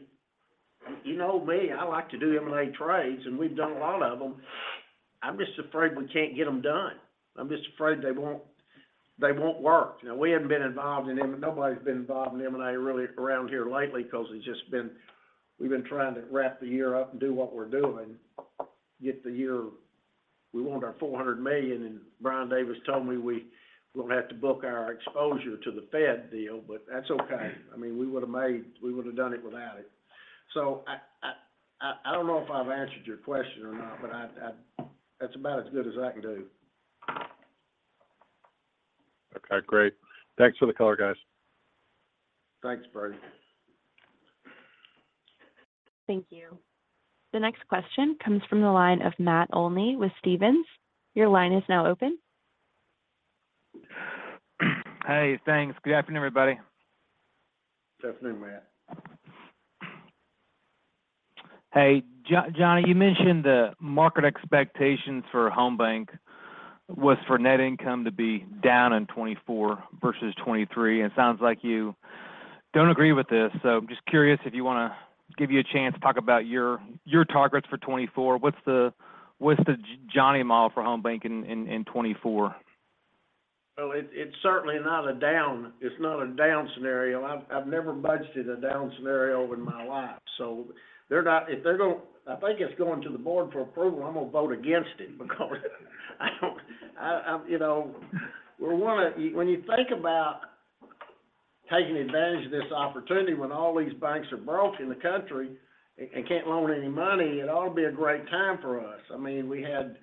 You know me, I like to do M&A trades, and we've done a lot of them. I'm just afraid we can't get them done. I'm just afraid they won't work. You know, we haven't been involved in M&A really around here lately because it's just been, we've been trying to wrap the year up and do what we're doing, get the year. We want our $400 million, and Brian Davis told me we, we're going to have to book our exposure to the Fed deal, but that's okay. I mean, we would have made, we would have done it without it. So I, I, I don't know if I've answered your question or not, but I, I, that's about as good as I can do. Okay, great. Thanks for the color, guys. Thanks, Brady. Thank you. The next question comes from the line of Matt Olney with Stephens. Your line is now open. Hey, thanks. Good afternoon, everybody. Good afternoon, Matt. Hey, Johnny, you mentioned the market expectations for Home BancShares was for net income to be down in 2024 versus 2023, and it sounds like you don't agree with this. So just curious if you want to give you a chance to talk about your targets for 2024. What's the Johnny model for Home BancShares in 2024? Well, it's certainly not a down scenario. I've never budgeted a down scenario in my life. So they're not—if I think it's going to the board for approval, I'm going to vote against it because I don't—you know, we're one of when you think about taking advantage of this opportunity, when all these banks are broke in the country and can't loan any money, it ought to be a great time for us. I mean, we had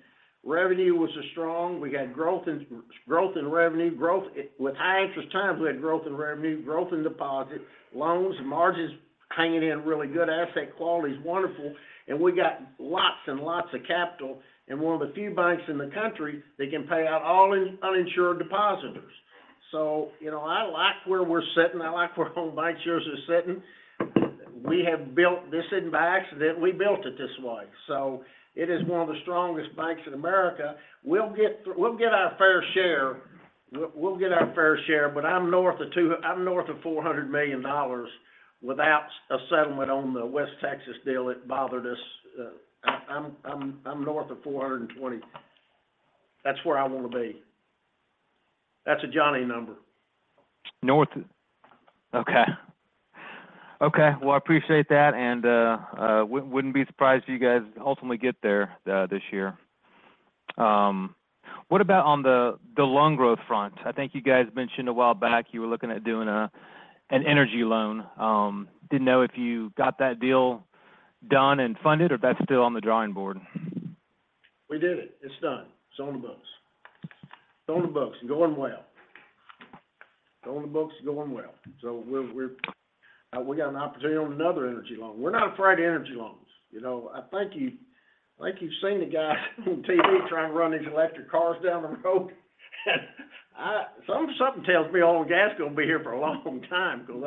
revenue was a strong, we got growth in, growth in revenue, growth—with high interest times, we had growth in revenue, growth in deposits, loans and margins hanging in really good, asset quality is wonderful, and we got lots and lots of capital, and one of the few banks in the country that can pay out all in uninsured depositors. So, you know, I like where we're sitting. I like where Home BancShares are sitting. We have built this in by accident. We built it this way. So it is one of the strongest banks in America. We'll get our fair share. We'll get our fair share, but I'm north of $400 million without a settlement on the West Texas deal that bothered us. I'm north of $420 million. That's where I want to be. That's a Johnny number. North? Okay. Okay, well, I appreciate that, and, wouldn't be surprised if you guys ultimately get there, this year. What about on the loan growth front? I think you guys mentioned a while back you were looking at doing an energy loan. Didn't know if you got that deal done and funded, or if that's still on the drawing board. We did it. It's done. It's on the books. It's on the books and going well. It's on the books and going well. So we're, we're, we got an opportunity on another energy loan. We're not afraid of energy loans. You know, I think you, I think you've seen the guys on TV trying to run these electric cars down the road, and, something tells me oil and gas is going to be here for a long time because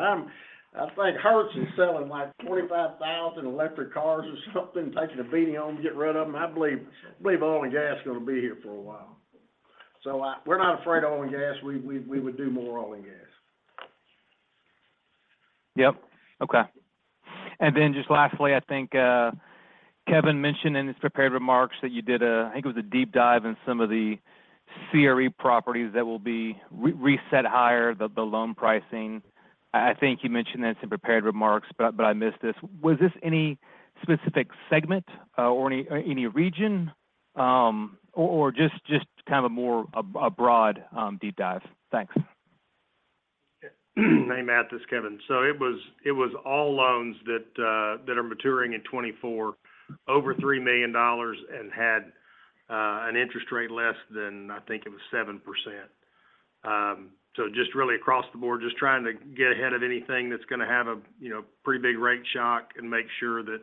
I think Hertz is selling like 25,000 electric cars or something, taking a beating on them to get rid of them. I believe oil and gas is going to be here for a while. So we're not afraid of oil and gas. We, we, we would do more oil and gas. Yep. Okay. And then just lastly, I think, Kevin mentioned in his prepared remarks that you did a, I think it was a deep dive in some of the CRE properties that will be reset higher, the loan pricing. I think you mentioned that in some prepared remarks, but I missed this. Was this any specific segment, or any region, or just kind of a more, a broad deep dive? Thanks. Hey, Matt, this is Kevin. So it was all loans that that are maturing in 2024, over $3 million and had an interest rate less than, I think it was 7%. So just really across the board, just trying to get ahead of anything that's going to have a, you know, pretty big rate shock and make sure that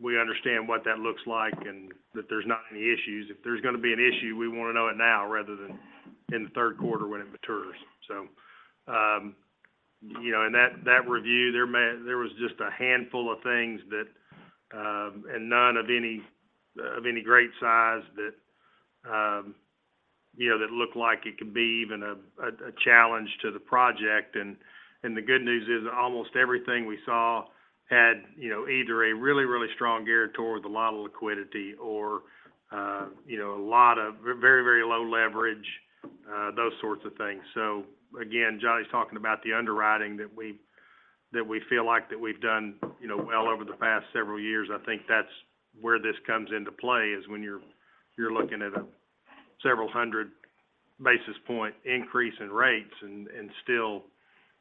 we understand what that looks like and that there's not any issues. If there's going to be an issue, we want to know it now rather than in the third quarter when it matures. So, you know, in that review, there was just a handful of things that, and none of any great size, that you know that looked like it could be even a challenge to the project. The good news is almost everything we saw had, you know, either a really, really strong guarantor with a lot of liquidity or, you know, a lot of very, very low leverage. Those sorts of things. So again, Johnny's talking about the underwriting that we, that we feel like that we've done, you know, well over the past several years. I think that's where this comes into play, is when you're, you're looking at a several hundred basis point increase in rates and, and still,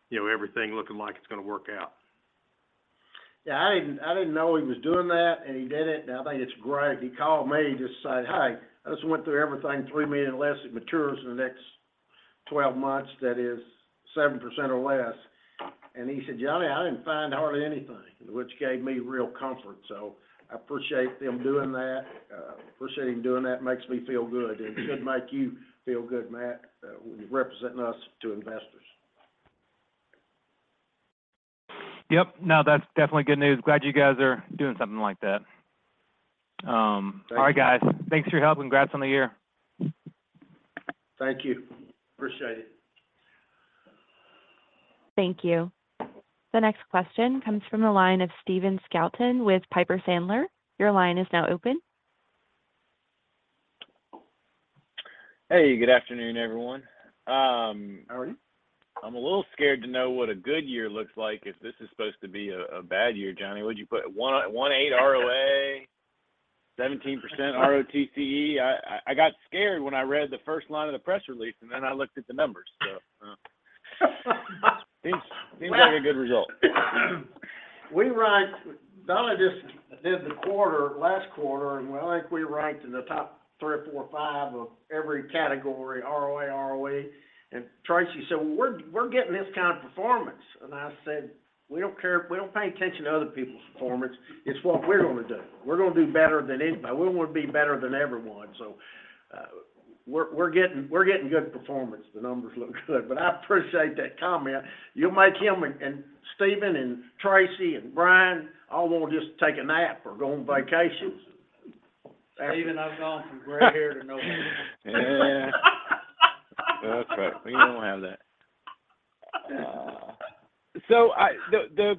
you know, everything looking like it's gonna work out. Yeah, I didn't know he was doing that, and he did it, and I think it's great. He called me just to say, "Hi, I just went through everything, $3 million less matures in the next 12 months, that is 7% or less." And he said, "Johnny, I didn't find hardly anything," which gave me real comfort. So I appreciate them doing that, appreciate him doing that, makes me feel good, and it should make you feel good, Matt, representing us to investors. Yep. No, that's definitely good news. Glad you guys are doing something like that. Thank you. All right, guys. Thanks for your help, and congrats on the year. Thank you. Appreciate it. Thank you. The next question comes from the line of Stephen Scouten with Piper Sandler. Your line is now open. Hey, good afternoon, everyone. How are you? I'm a little scared to know what a good year looks like if this is supposed to be a bad year, Johnny. What'd you put? 1.18% ROA, 17% ROTCE. I got scared when I read the first line of the press release, and then I looked at the numbers. Seems like a good result. We ranked. Donna just did the quarter, last quarter, and well, I think we ranked in the top three or four or five of every category, ROA, ROE. And Tracy said, "We're, we're getting this kind of performance." And I said, "We don't care. We don't pay attention to other people's performance. It's what we're gonna do. We're gonna do better than anybody. We wanna be better than everyone." So, we're, we're getting, we're getting good performance. The numbers look good, but I appreciate that comment. You'll make him and, and Stephen, and Tracy, and Brian, all wanna just take a nap or go on vacation. Stephen, I've gone from gray hair to no hair. Yeah. That's right. We don't have that. So the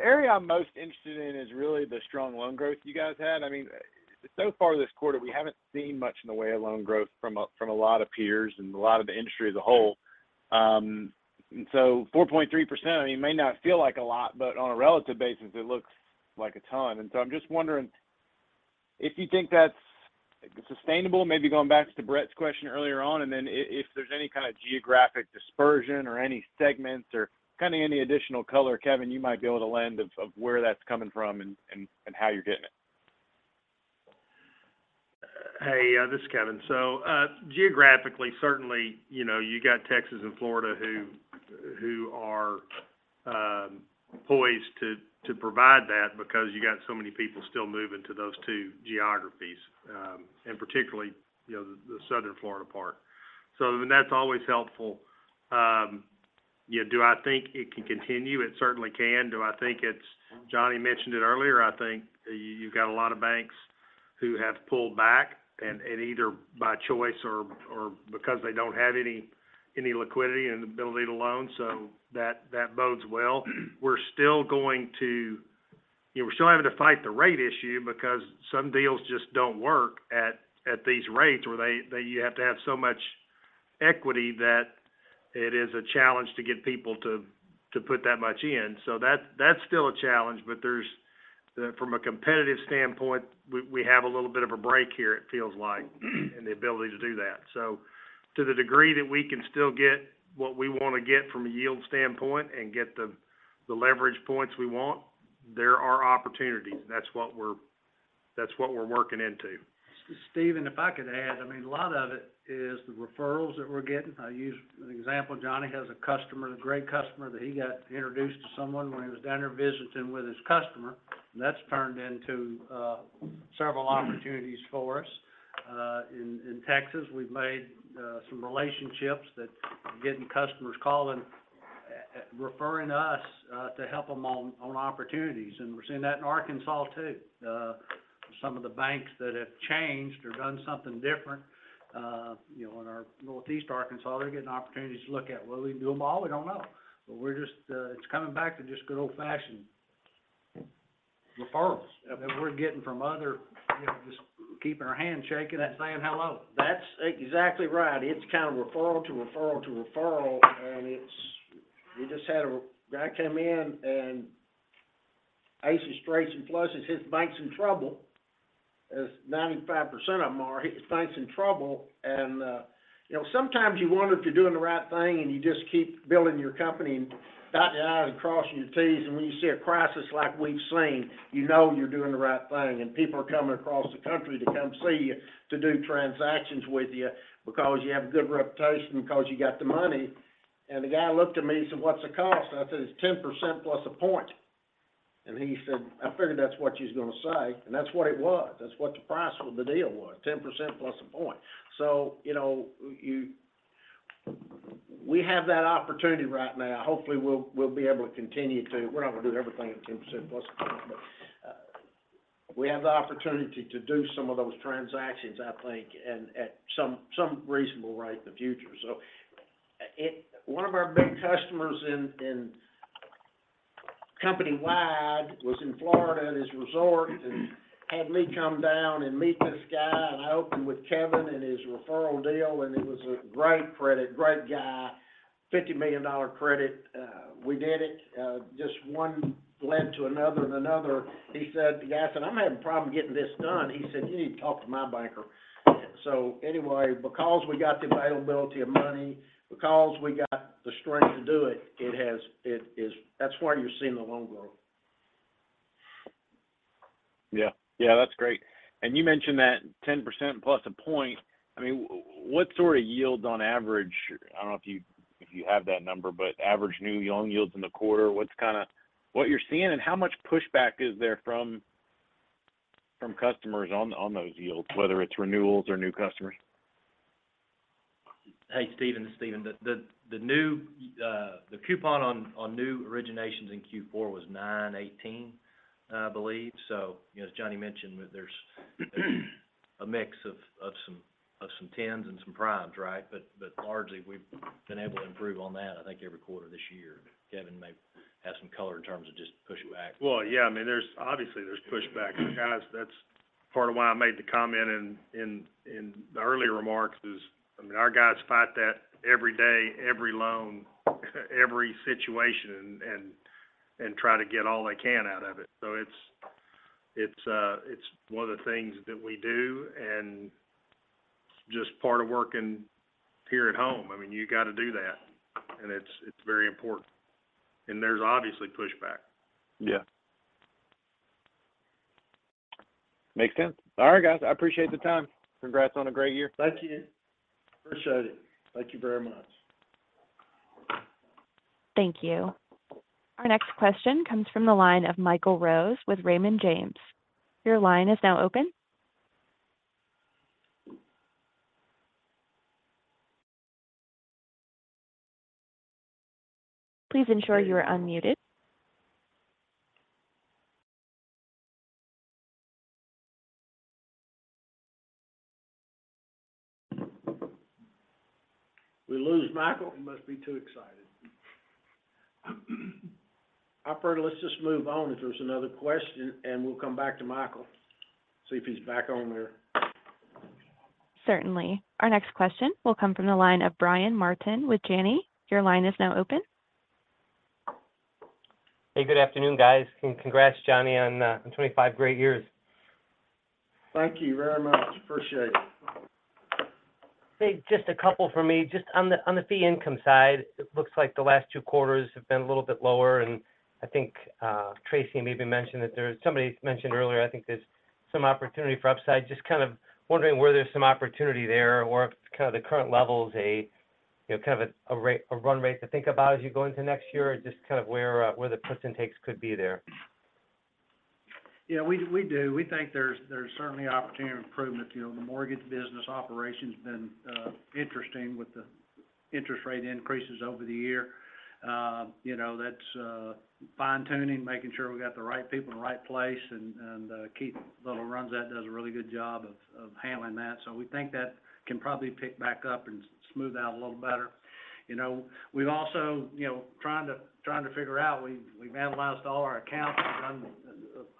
area I'm most interested in is really the strong loan growth you guys had. I mean, so far this quarter, we haven't seen much in the way of loan growth from a lot of peers and a lot of the industry as a whole. And so 4.3%, I mean, it may not feel like a lot, but on a relative basis, it looks like a ton. And so I'm just wondering if you think that's sustainable, maybe going back to Brett's question earlier on, and then if there's any kind of geographic dispersion or any segments or kind of any additional color, Kevin, you might be able to lend of where that's coming from and how you're getting it? Hey, this is Kevin. So, geographically, certainly, you know, you got Texas and Florida who are poised to provide that because you got so many people still moving to those two geographies, and particularly, you know, the southern Florida part. So then that's always helpful. Yeah, do I think it can continue? It certainly can. Do I think it's, Johnny mentioned it earlier, I think you've got a lot of banks who have pulled back, and either by choice or because they don't have any liquidity and ability to loan, so that bodes well. We're still going to. You know, we're still having to fight the rate issue because some deals just don't work at, at these rates, where they, they you have to have so much equity that it is a challenge to get people to, to put that much in. So that's, that's still a challenge, but there's, from a competitive standpoint, we, we have a little bit of a break here, it feels like, and the ability to do that. So to the degree that we can still get what we wanna get from a yield standpoint and get the, the leverage points we want, there are opportunities. That's what we're, that's what we're working into. Stephen, if I could add, I mean, a lot of it is the referrals that we're getting. I use an example, Johnny has a customer, a great customer, that he got introduced to someone when he was down there visiting with his customer, and that's turned into several opportunities for us. In Texas, we've made some relationships that getting customers calling, referring us to help them on opportunities, and we're seeing that in Arkansas, too. Some of the banks that have changed or done something different, you know, in our Northeast Arkansas, they're getting opportunities to look at. Will we do them all? We don't know. But we're just, it's coming back to just good old-fashioned referrals - Yeah that we're getting from other, you know, just keeping our handshaking and saying hello. That's exactly right. It's kind of referral to referral to referral, and it's-- We just had a guy come in, and aces, straights, and flushes, his bank's in trouble, as 95% of them are. His bank's in trouble, and, you know, sometimes you wonder if you're doing the right thing, and you just keep building your company and dotting your I's and crossing your T's, and when you see a crisis like we've seen, you know you're doing the right thing. And people are coming across the country to come see you, to do transactions with you because you have a good reputation, because you got the money. And the guy looked at me and said, "What's the cost?" I said, "It's 10% plus a point." And he said, "I figured that's what you's gonna say." And that's what it was. That's what the price of the deal was, 10%+ a point. So, you know, we have that opportunity right now. Hopefully, we'll be able to continue to. We're not gonna do everything at 10%+ a point, but we have the opportunity to do some of those transactions, I think, and at some reasonable rate in the future. So one of our big customers in company-wide, was in Florida at his resort, and had me come down and meet this guy. And I opened with Kevin and his referral deal, and it was a great credit, great guy, $50 million credit. We did it, just one led to another and another. He said, "Guys, I'm having trouble getting this done." He said, "You need to talk to my banker." So anyway, because we got the availability of money, because we got the strength to do it, it has, it is, that's why you're seeing the loan growth. Yeah. Yeah, that's great. You mentioned that 10% plus a point. I mean, what sort of yields on average, I don't know if you, if you have that number, but average new loan yields in the quarter, what's kinda what you're seeing, and how much pushback is there from, from customers on, on those yields, whether it's renewals or new customers? Hey, Stephen, it's Stephen. The new coupon on new originations in Q4 was 9.18, I believe. So, you know, as Johnny mentioned, there's a mix of some tens and some primes, right? But largely, we've been able to improve on that, I think, every quarter this year. Kevin may have some color in terms of just pushback. Well, yeah, I mean, there's obviously pushback. Guys, that's part of why I made the comment in the earlier remarks is, I mean, our guys fight that every day, every loan, every situation, and try to get all they can out of it. So it's one of the things that we do, and just part of working here at Home. I mean, you got to do that, and it's very important. And there's obviously pushback. Yeah. Makes sense. All right, guys, I appreciate the time. Congrats on a great year. Thank you. Appreciate it. Thank you very much. Thank you. Our next question comes from the line of Michael Rose with Raymond James. Your line is now open. Please ensure you are unmuted. We lose Michael? He must be too excited. Operator, let's just move on if there's another question, and we'll come back to Michael, see if he's back on there. Certainly. Our next question will come from the line of Brian Martin with Janney. Your line is now open. Hey, good afternoon, guys, and congrats, Johnny, on 25 great years. Thank you very much. Appreciate it. Hey, just a couple for me. Just on the fee income side, it looks like the last two quarters have been a little bit lower, and I think Tracy maybe mentioned that somebody mentioned earlier. I think there's some opportunity for upside. Just kind of wondering where there's some opportunity there, or if kind of the current level is a, you know, kind of a run rate to think about as you go into next year, just kind of where where the puts and takes could be there. Yeah, we do. We think there's certainly opportunity for improvement. You know, the mortgage business operation's been interesting with the interest rate increases over the year. You know, that's fine-tuning, making sure we got the right people in the right place, and Keith Little runs that, does a really good job of handling that. So we think that can probably pick back up and smooth out a little better. You know, we've also, you know, trying to figure out, we've analyzed all our accounts and done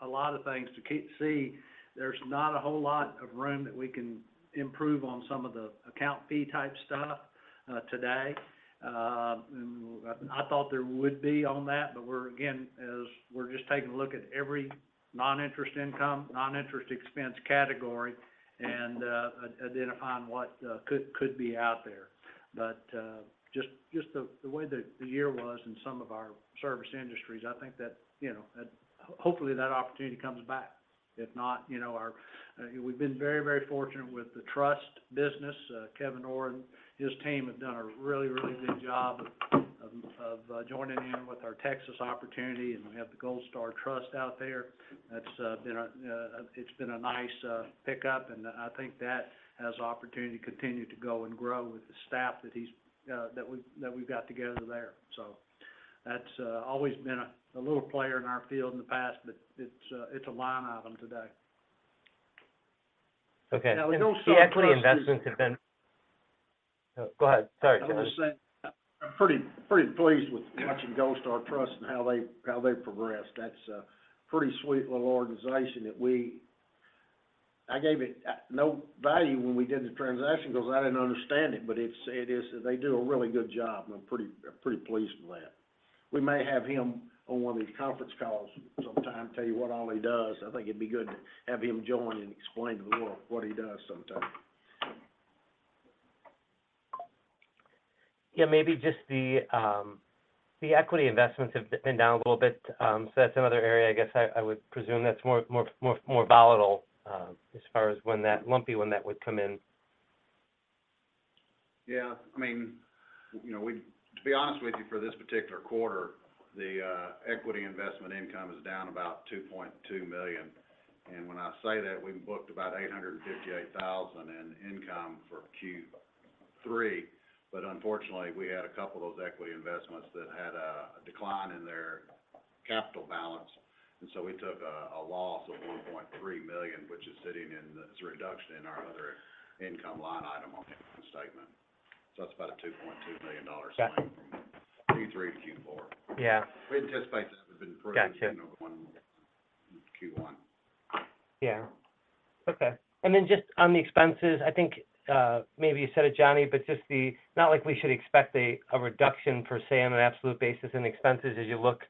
a lot of things to keep. See, there's not a whole lot of room that we can improve on some of the account fee type stuff today. I thought there would be on that, but we're, again, as we're just taking a look at every non-interest income, non-interest expense category, and identifying what could be out there. But just the way the year was in some of our service industries, I think that, you know, that hopefully that opportunity comes back. If not, you know, we've been very, very fortunate with the trust business. Kevin Oren, his team have done a really, really good job of joining in with our Texas opportunity, and we have the GoldStar Trust out there. That's been a nice pickup, and I think that has opportunity to continue to go and grow with the staff that we've got together there. So that's always been a little player in our field in the past, but it's a line item today. Okay. Now, we know some trust- Equity investments have been. Go ahead. Sorry, Johnny. I was just saying, I'm pretty, pretty pleased with watching GoldStar Trust and how they, how they've progressed. That's a pretty sweet little organization that we—I gave it no value when we did the transaction because I didn't understand it, but it's, it is, they do a really good job, and I'm pretty, pretty pleased with that. We may have him on one of these conference calls sometime, tell you what all he does. I think it'd be good to have him join and explain to the world what he does sometime. Yeah, maybe just the equity investments have been down a little bit, so that's another area, I guess, I would presume that's more volatile, as far as when that lumpy one that would come in. Yeah, I mean, you know, we to be honest with you, for this particular quarter, the equity investment income is down about $2.2 million. And when I say that, we booked about $858,000 in income for Q3, but unfortunately, we had a couple of those equity investments that had a decline in their capital. And so we took a loss of $1.3 million, which is sitting in this reduction in our other income line item on the income statement. So that's about a $2.2 million dollar swing. Got it. From Q3 to Q4. Yeah. We anticipate that to have been pretty- Gotcha. Similar to Q1. Yeah. Okay, and then just on the expenses, I think, maybe you said it, Johnny, but just not like we should expect a reduction per se on an absolute basis in expenses as you look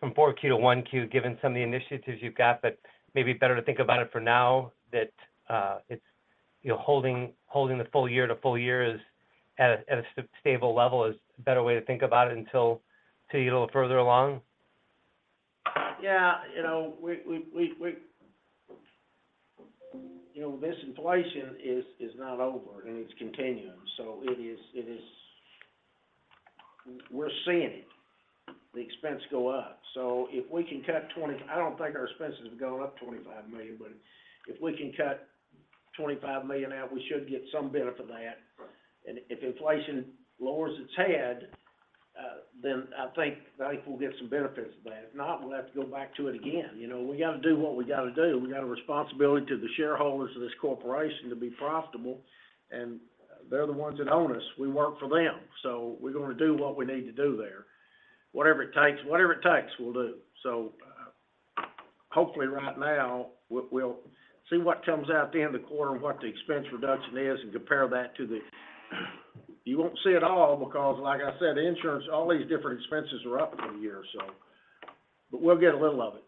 from 4Q to 1Q, given some of the initiatives you've got, but maybe better to think about it for now that, it's, you know, holding the full year to full year is at a stable level is a better way to think about it until, till you get a little further along? Yeah, you know, we—you know, this inflation is not over, and it's continuing, so it is. We're seeing it, the expense go up. So if we can cut $25 million—I don't think our expenses have gone up $25 million, but if we can cut $25 million out, we should get some benefit of that. Right. And if inflation lowers its head, then I think, I think we'll get some benefits of that. If not, we'll have to go back to it again. You know, we gotta do what we gotta do. We got a responsibility to the shareholders of this corporation to be profitable, and they're the ones that own us. We work for them, so we're gonna do what we need to do there. Whatever it takes, whatever it takes, we'll do. So, hopefully, right now, we'll see what comes out at the end of the quarter and what the expense reduction is, and compare that to the, you won't see it all, because like I said, insurance, all these different expenses are up from a year or so, but we'll get a little of it.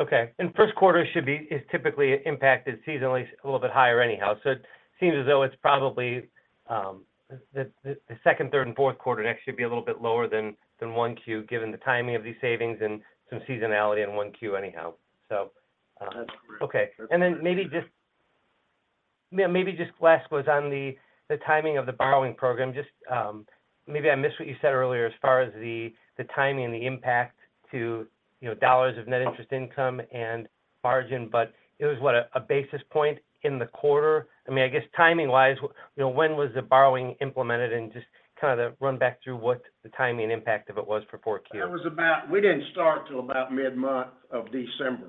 Okay. And first quarter should be, is typically impacted seasonally, a little bit higher anyhow. So it seems as though it's probably the second, third, and fourth quarter next should be a little bit lower than 1Q, given the timing of these savings and some seasonality in one 1Q anyhow. That's correct. Okay. That's correct. Then maybe just, yeah, maybe just last was on the timing of the borrowing program. Just, maybe I missed what you said earlier as far as the timing and the impact to, you know, dollars of net interest income and margin, but it was what, a basis point in the quarter? I mean, I guess timing-wise, you know, when was the borrowing implemented, and just kind of run back through what the timing impact of it was for 4Q. That was about—we didn't start till about mid-month of December.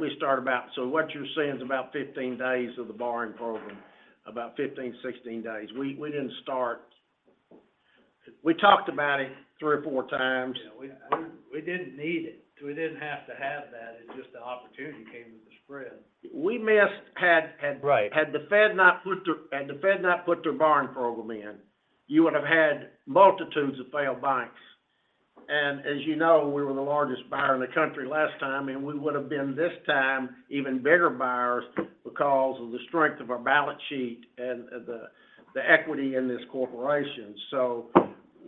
We started about so what you're seeing is about 15 days of the borrowing program, about 15, 16 days. We didn't start—We talked about it three or four times. Yeah, we didn't need it, so we didn't have to have that. It's just the opportunity came with the spread. We missed. Right. Had the Fed not put their borrowing program in, you would have had multitudes of failed banks. And as you know, we were the largest buyer in the country last time, and we would have been, this time, even bigger buyers because of the strength of our balance sheet and the equity in this corporation. So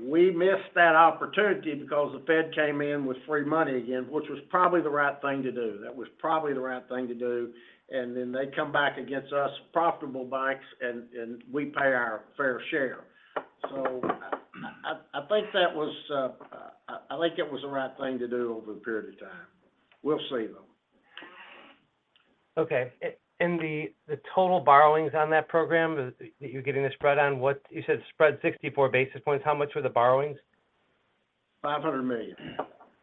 we missed that opportunity because the Fed came in with free money again, which was probably the right thing to do. That was probably the right thing to do, and then they come back against us, profitable banks, and we pay our fair share. So I think it was the right thing to do over a period of time. We'll see, though. Okay. And the total borrowings on that program that you're getting the spread on, what? You said spread 64 basis points. How much were the borrowings? $500 million.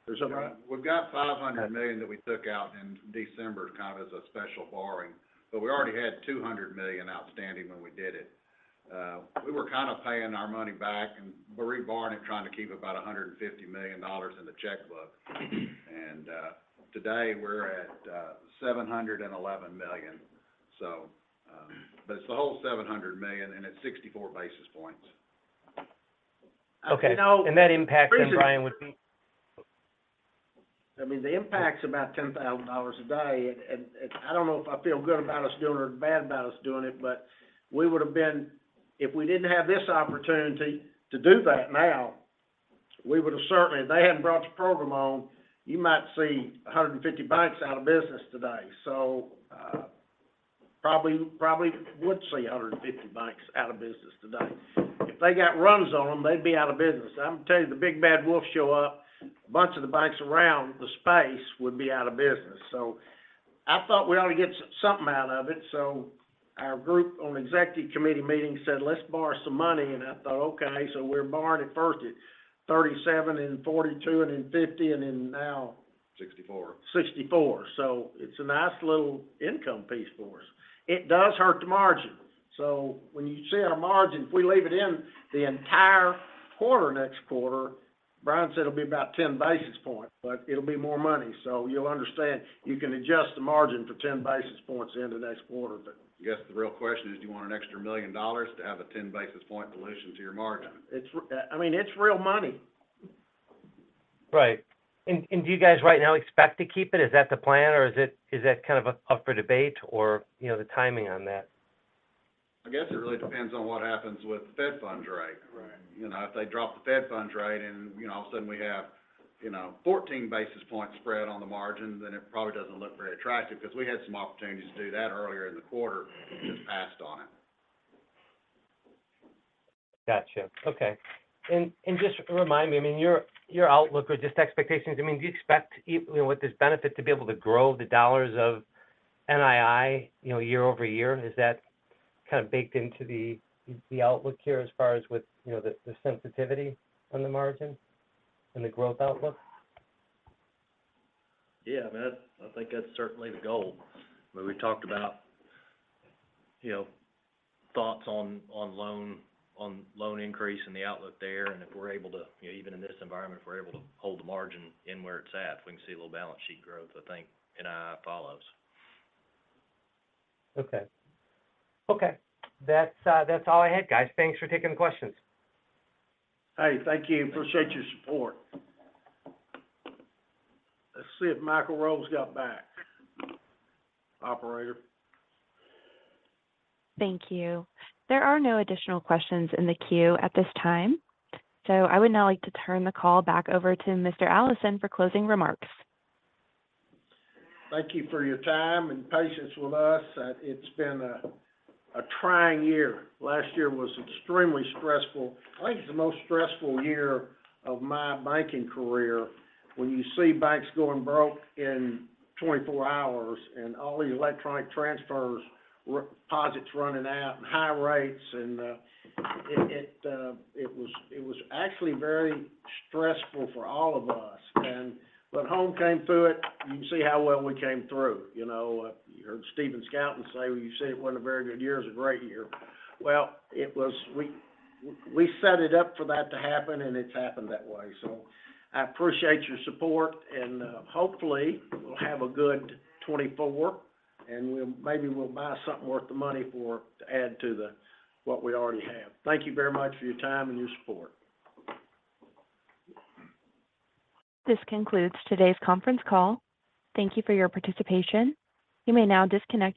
Or is that right? We've got $500 million that we took out in December, kind of as a special borrowing, but we already had $200 million outstanding when we did it. We were kind of paying our money back and re-borrowing it, trying to keep about $150 million in the checkbook. And today, we're at $711 million, so but it's the whole $700 million, and it's 64 basis points. Okay. You know- That impact then, Brian, would be? I mean, the impact's about $10,000 a day, and I don't know if I feel good about us doing it or bad about us doing it, but we would've been if we didn't have this opportunity to do that now, we would've certainly. If they hadn't brought the program on, you might see 150 banks out of business today. So, probably, probably would see 150 banks out of business today. If they got runs on them, they'd be out of business. I'm telling you, the big bad wolf show up, a bunch of the banks around the space would be out of business. So I thought we ought to get something out of it, so our group on executive committee meeting said, "Let's borrow some money." And I thought, "Okay," so we're borrowing at first at $37 million and $42 million, and then $50 million, and then now- $64 million. 64. So it's a nice little income piece for us. It does hurt the margin, so when you see our margin, if we leave it in the entire quarter, next quarter, Brian said it'll be about 10 basis points, but it'll be more money. So you'll understand, you can adjust the margin for 10 basis points into next quarter. I guess the real question is, do you want an extra $1 million to have a 10 basis point dilution to your margin? It's, I mean, it's real money. Right. And do you guys right now expect to keep it? Is that the plan, or is it kind of up for debate or, you know, the timing on that? I guess it really depends on what happens with the Fed funds rate. Right. You know, if they drop the Fed funds rate and, you know, all of a sudden we have, you know, 14 basis points spread on the margin, then it probably doesn't look very attractive, because we had some opportunities to do that earlier in the quarter just passed on it. Gotcha. Okay. And, and just remind me, I mean, your, your outlook or just expectations, I mean, do you expect, you know, with this benefit, to be able to grow the dollars of NII, you know, year-over-year? Is that kind of baked into the, the outlook here as far as with, you know, the, the sensitivity on the margin and the growth outlook? Yeah, man, I think that's certainly the goal. But we talked about, you know, thoughts on loan increase and the outlook there, and if we're able to, you know, even in this environment, if we're able to hold the margin in where it's at, we can see a little balance sheet growth, I think, and follows. Okay. Okay, that's, that's all I had, guys. Thanks for taking the questions. Hey, thank you. Appreciate your support. Let's see if Michael Rose got back, operator. Thank you. There are no additional questions in the queue at this time, so I would now like to turn the call back over to Mr. Allison for closing remarks. Thank you for your time and patience with us. It's been a trying year. Last year was extremely stressful. I think it's the most stressful year of my banking career. When you see banks going broke in 24 hours, and all the electronic transfers, deposits running out and high rates, and it was actually very stressful for all of us. But Home came through it. You can see how well we came through. You know, you heard Stephen Scouten say, "When you say it wasn't a very good year, it was a great year." Well, it was we set it up for that to happen, and it's happened that way. I appreciate your support, and hopefully we'll have a good 2024, and we'll maybe buy something worth the money for to add to what we already have. Thank you very much for your time and your support. This concludes today's conference call. Thank you for your participation. You may now disconnect.